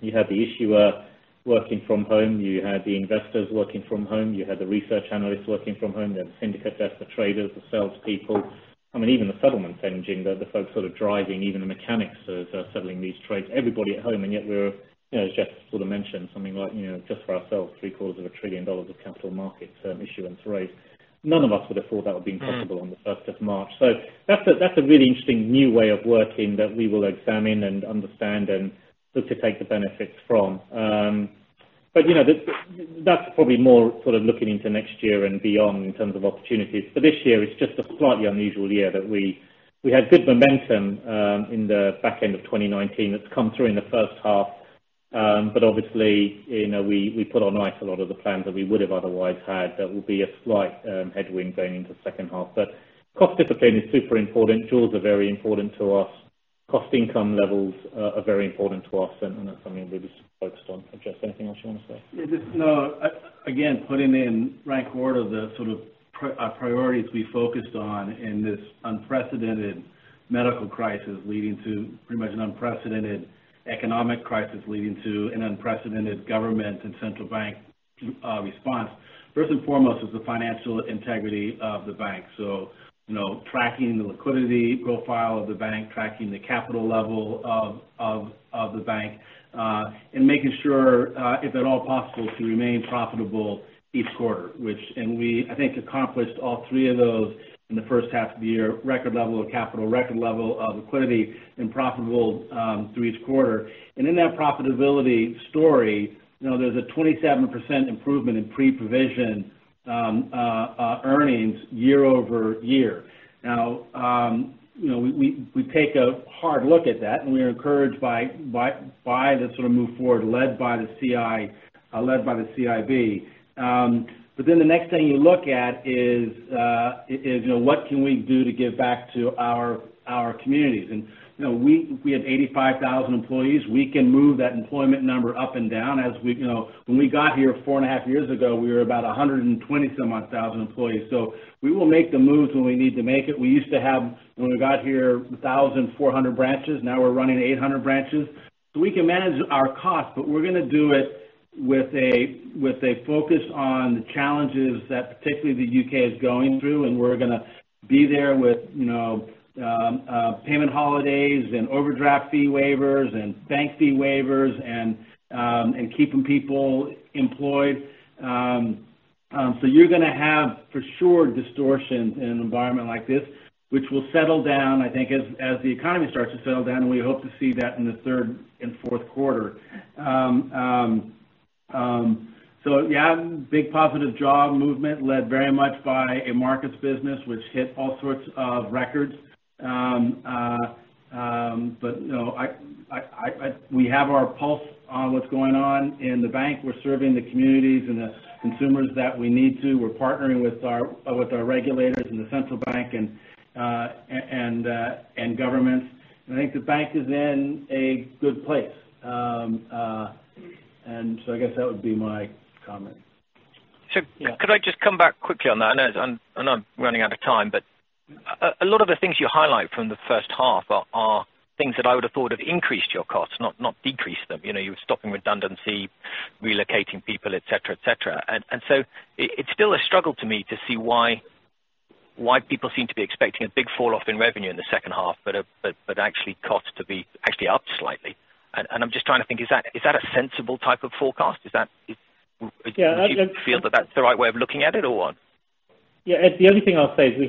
You had the issuer working from home, you had the investors working from home, you had the research analysts working from home, you had the syndicate desk, the traders, the salespeople. Even the settlements engine, the folks driving even the mechanics of settling these trades, everybody at home. We were, as Jes mentioned, something like just for ourselves, $0.75 trillion of capital markets issuance raised. None of us would have thought that would have been possible on the 1st of March. That's a really interesting new way of working that we will examine and understand and look to take the benefits from. That's probably more looking into next year and beyond in terms of opportunities. For this year, it's just a slightly unusual year that we had good momentum in the back end of 2019 that's come through in the first half. Obviously, we put on ice a lot of the plans that we would have otherwise had that will be a slight headwind going into second half. Cost discipline is super important. jaws are very important to us. Cost income levels are very important to us, that's something we'll be focused on. Jes, anything else you want to say? No. Putting in rank order the priorities we focused on in this unprecedented medical crisis leading to pretty much an unprecedented economic crisis leading to an unprecedented government and central bank response. First and foremost is the financial integrity of the bank. Tracking the liquidity profile of the bank, tracking the capital level of the bank. Making sure if at all possible to remain profitable each quarter. We, I think, accomplished all three of those in the first half of the year. Record level of capital, record level of liquidity, and profitable through each quarter. In that profitability story, there's a 27% improvement in pre-provision earnings year-over-year. We take a hard look at that, and we are encouraged by the move forward led by the CIB. The next thing you look at is what can we do to give back to our communities? We have 85,000 employees. We can move that employment number up and down. When we got here four and a half years ago, we were about 120,000 employees. We will make the moves when we need to make it. We used to have, when we got here, 1,400 branches. Now we're running 800 branches. We can manage our costs, but we're going to do it with a focus on the challenges that particularly the U.K. is going through. We're going to be there with payment holidays and overdraft fee waivers and bank fee waivers and keeping people employed. You're going to have, for sure, distortion in an environment like this, which will settle down, I think, as the economy starts to settle down, we hope to see that in the third and fourth quarter. Yeah, big positive job movement led very much by a markets business which hit all sorts of records. We have our pulse on what's going on in the bank. We're serving the communities and the consumers that we need to. We're partnering with our regulators in the central bank and governments. I think the bank is in a good place. I guess that would be my comment. So— Yeah. Could I just come back quickly on that? I know I'm running out of time, a lot of the things you highlight from the first half are things that I would have thought have increased your costs, not decreased them. You were stopping redundancy, relocating people, et cetera. It's still a struggle to me to see why people seem to be expecting a big fall-off in revenue in the second half, actually costs to be actually up slightly. I'm just trying to think, is that a sensible type of forecast? Yeah, Ed— Do you feel that that's the right way of looking at it, or what? Yeah. Ed, the only thing I'll say is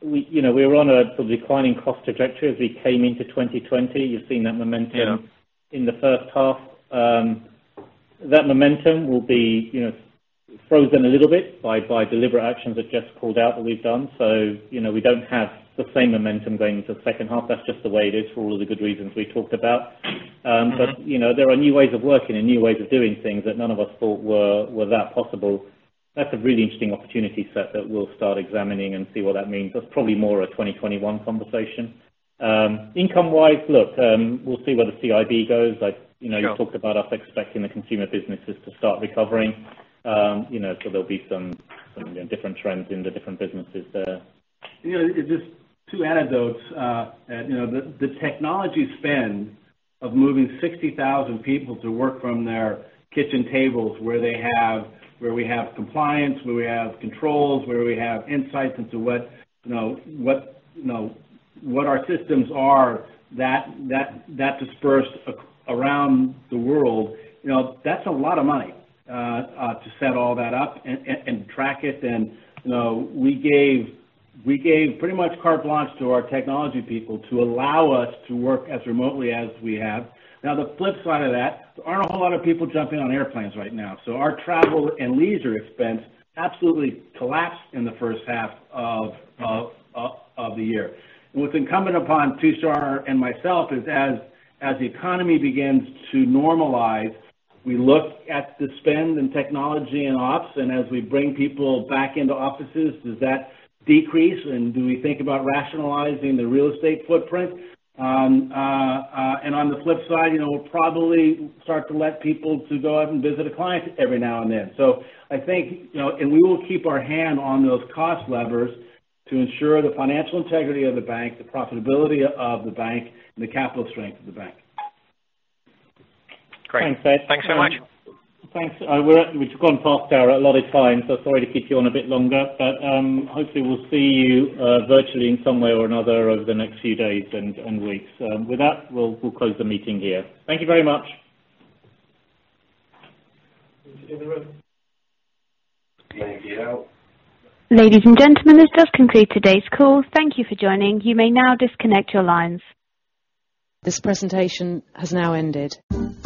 we were on a sort of declining cost trajectory as we came into 2020. You've seen that momentum— Yeah. In the first half. That momentum will be frozen a little bit by deliberate actions that Jes called out that we've done. We don't have the same momentum going into the second half. That's just the way it is for all of the good reasons we talked about. There are new ways of working and new ways of doing things that none of us thought were that possible. That's a really interesting opportunity set that we'll start examining and see what that means. That's probably more a 2021 conversation. Income-wise, look, we'll see where the CIB goes. Yeah. You talked about us expecting the consumer businesses to start recovering. There'll be some different trends in the different businesses there. Just two anecdotes, Ed. The technology spend of moving 60,000 people to work from their kitchen tables, where we have compliance, where we have controls, where we have insights into what our systems are, that dispersed around the world, that's a lot of money to set all that up and track it. We gave pretty much carte blanche to our technology people to allow us to work as remotely as we have. The flip side of that, there aren't a whole lot of people jumping on airplanes right now. Our travel and leisure expense absolutely collapsed in the first half of the year. What's incumbent upon Tushar and myself is as the economy begins to normalize, we look at the spend and technology and ops, and as we bring people back into offices, does that decrease, and do we think about rationalizing the real estate footprint? On the flip side, we'll probably start to let people to go out and visit a client every now and then. I think, and we will keep our hand on those cost levers to ensure the financial integrity of the bank, the profitability of the bank, and the capital strength of the bank. Great. Thanks, Ed. Thanks so much. Thanks. We've gone past our allotted time, so sorry to keep you on a bit longer. Hopefully we'll see you virtually in some way or another over the next few days and weeks. With that, we'll close the meeting here. Thank you very much. Ladies and gentlemen, this does conclude today's call. Thank you for joining. You may now disconnect your lines.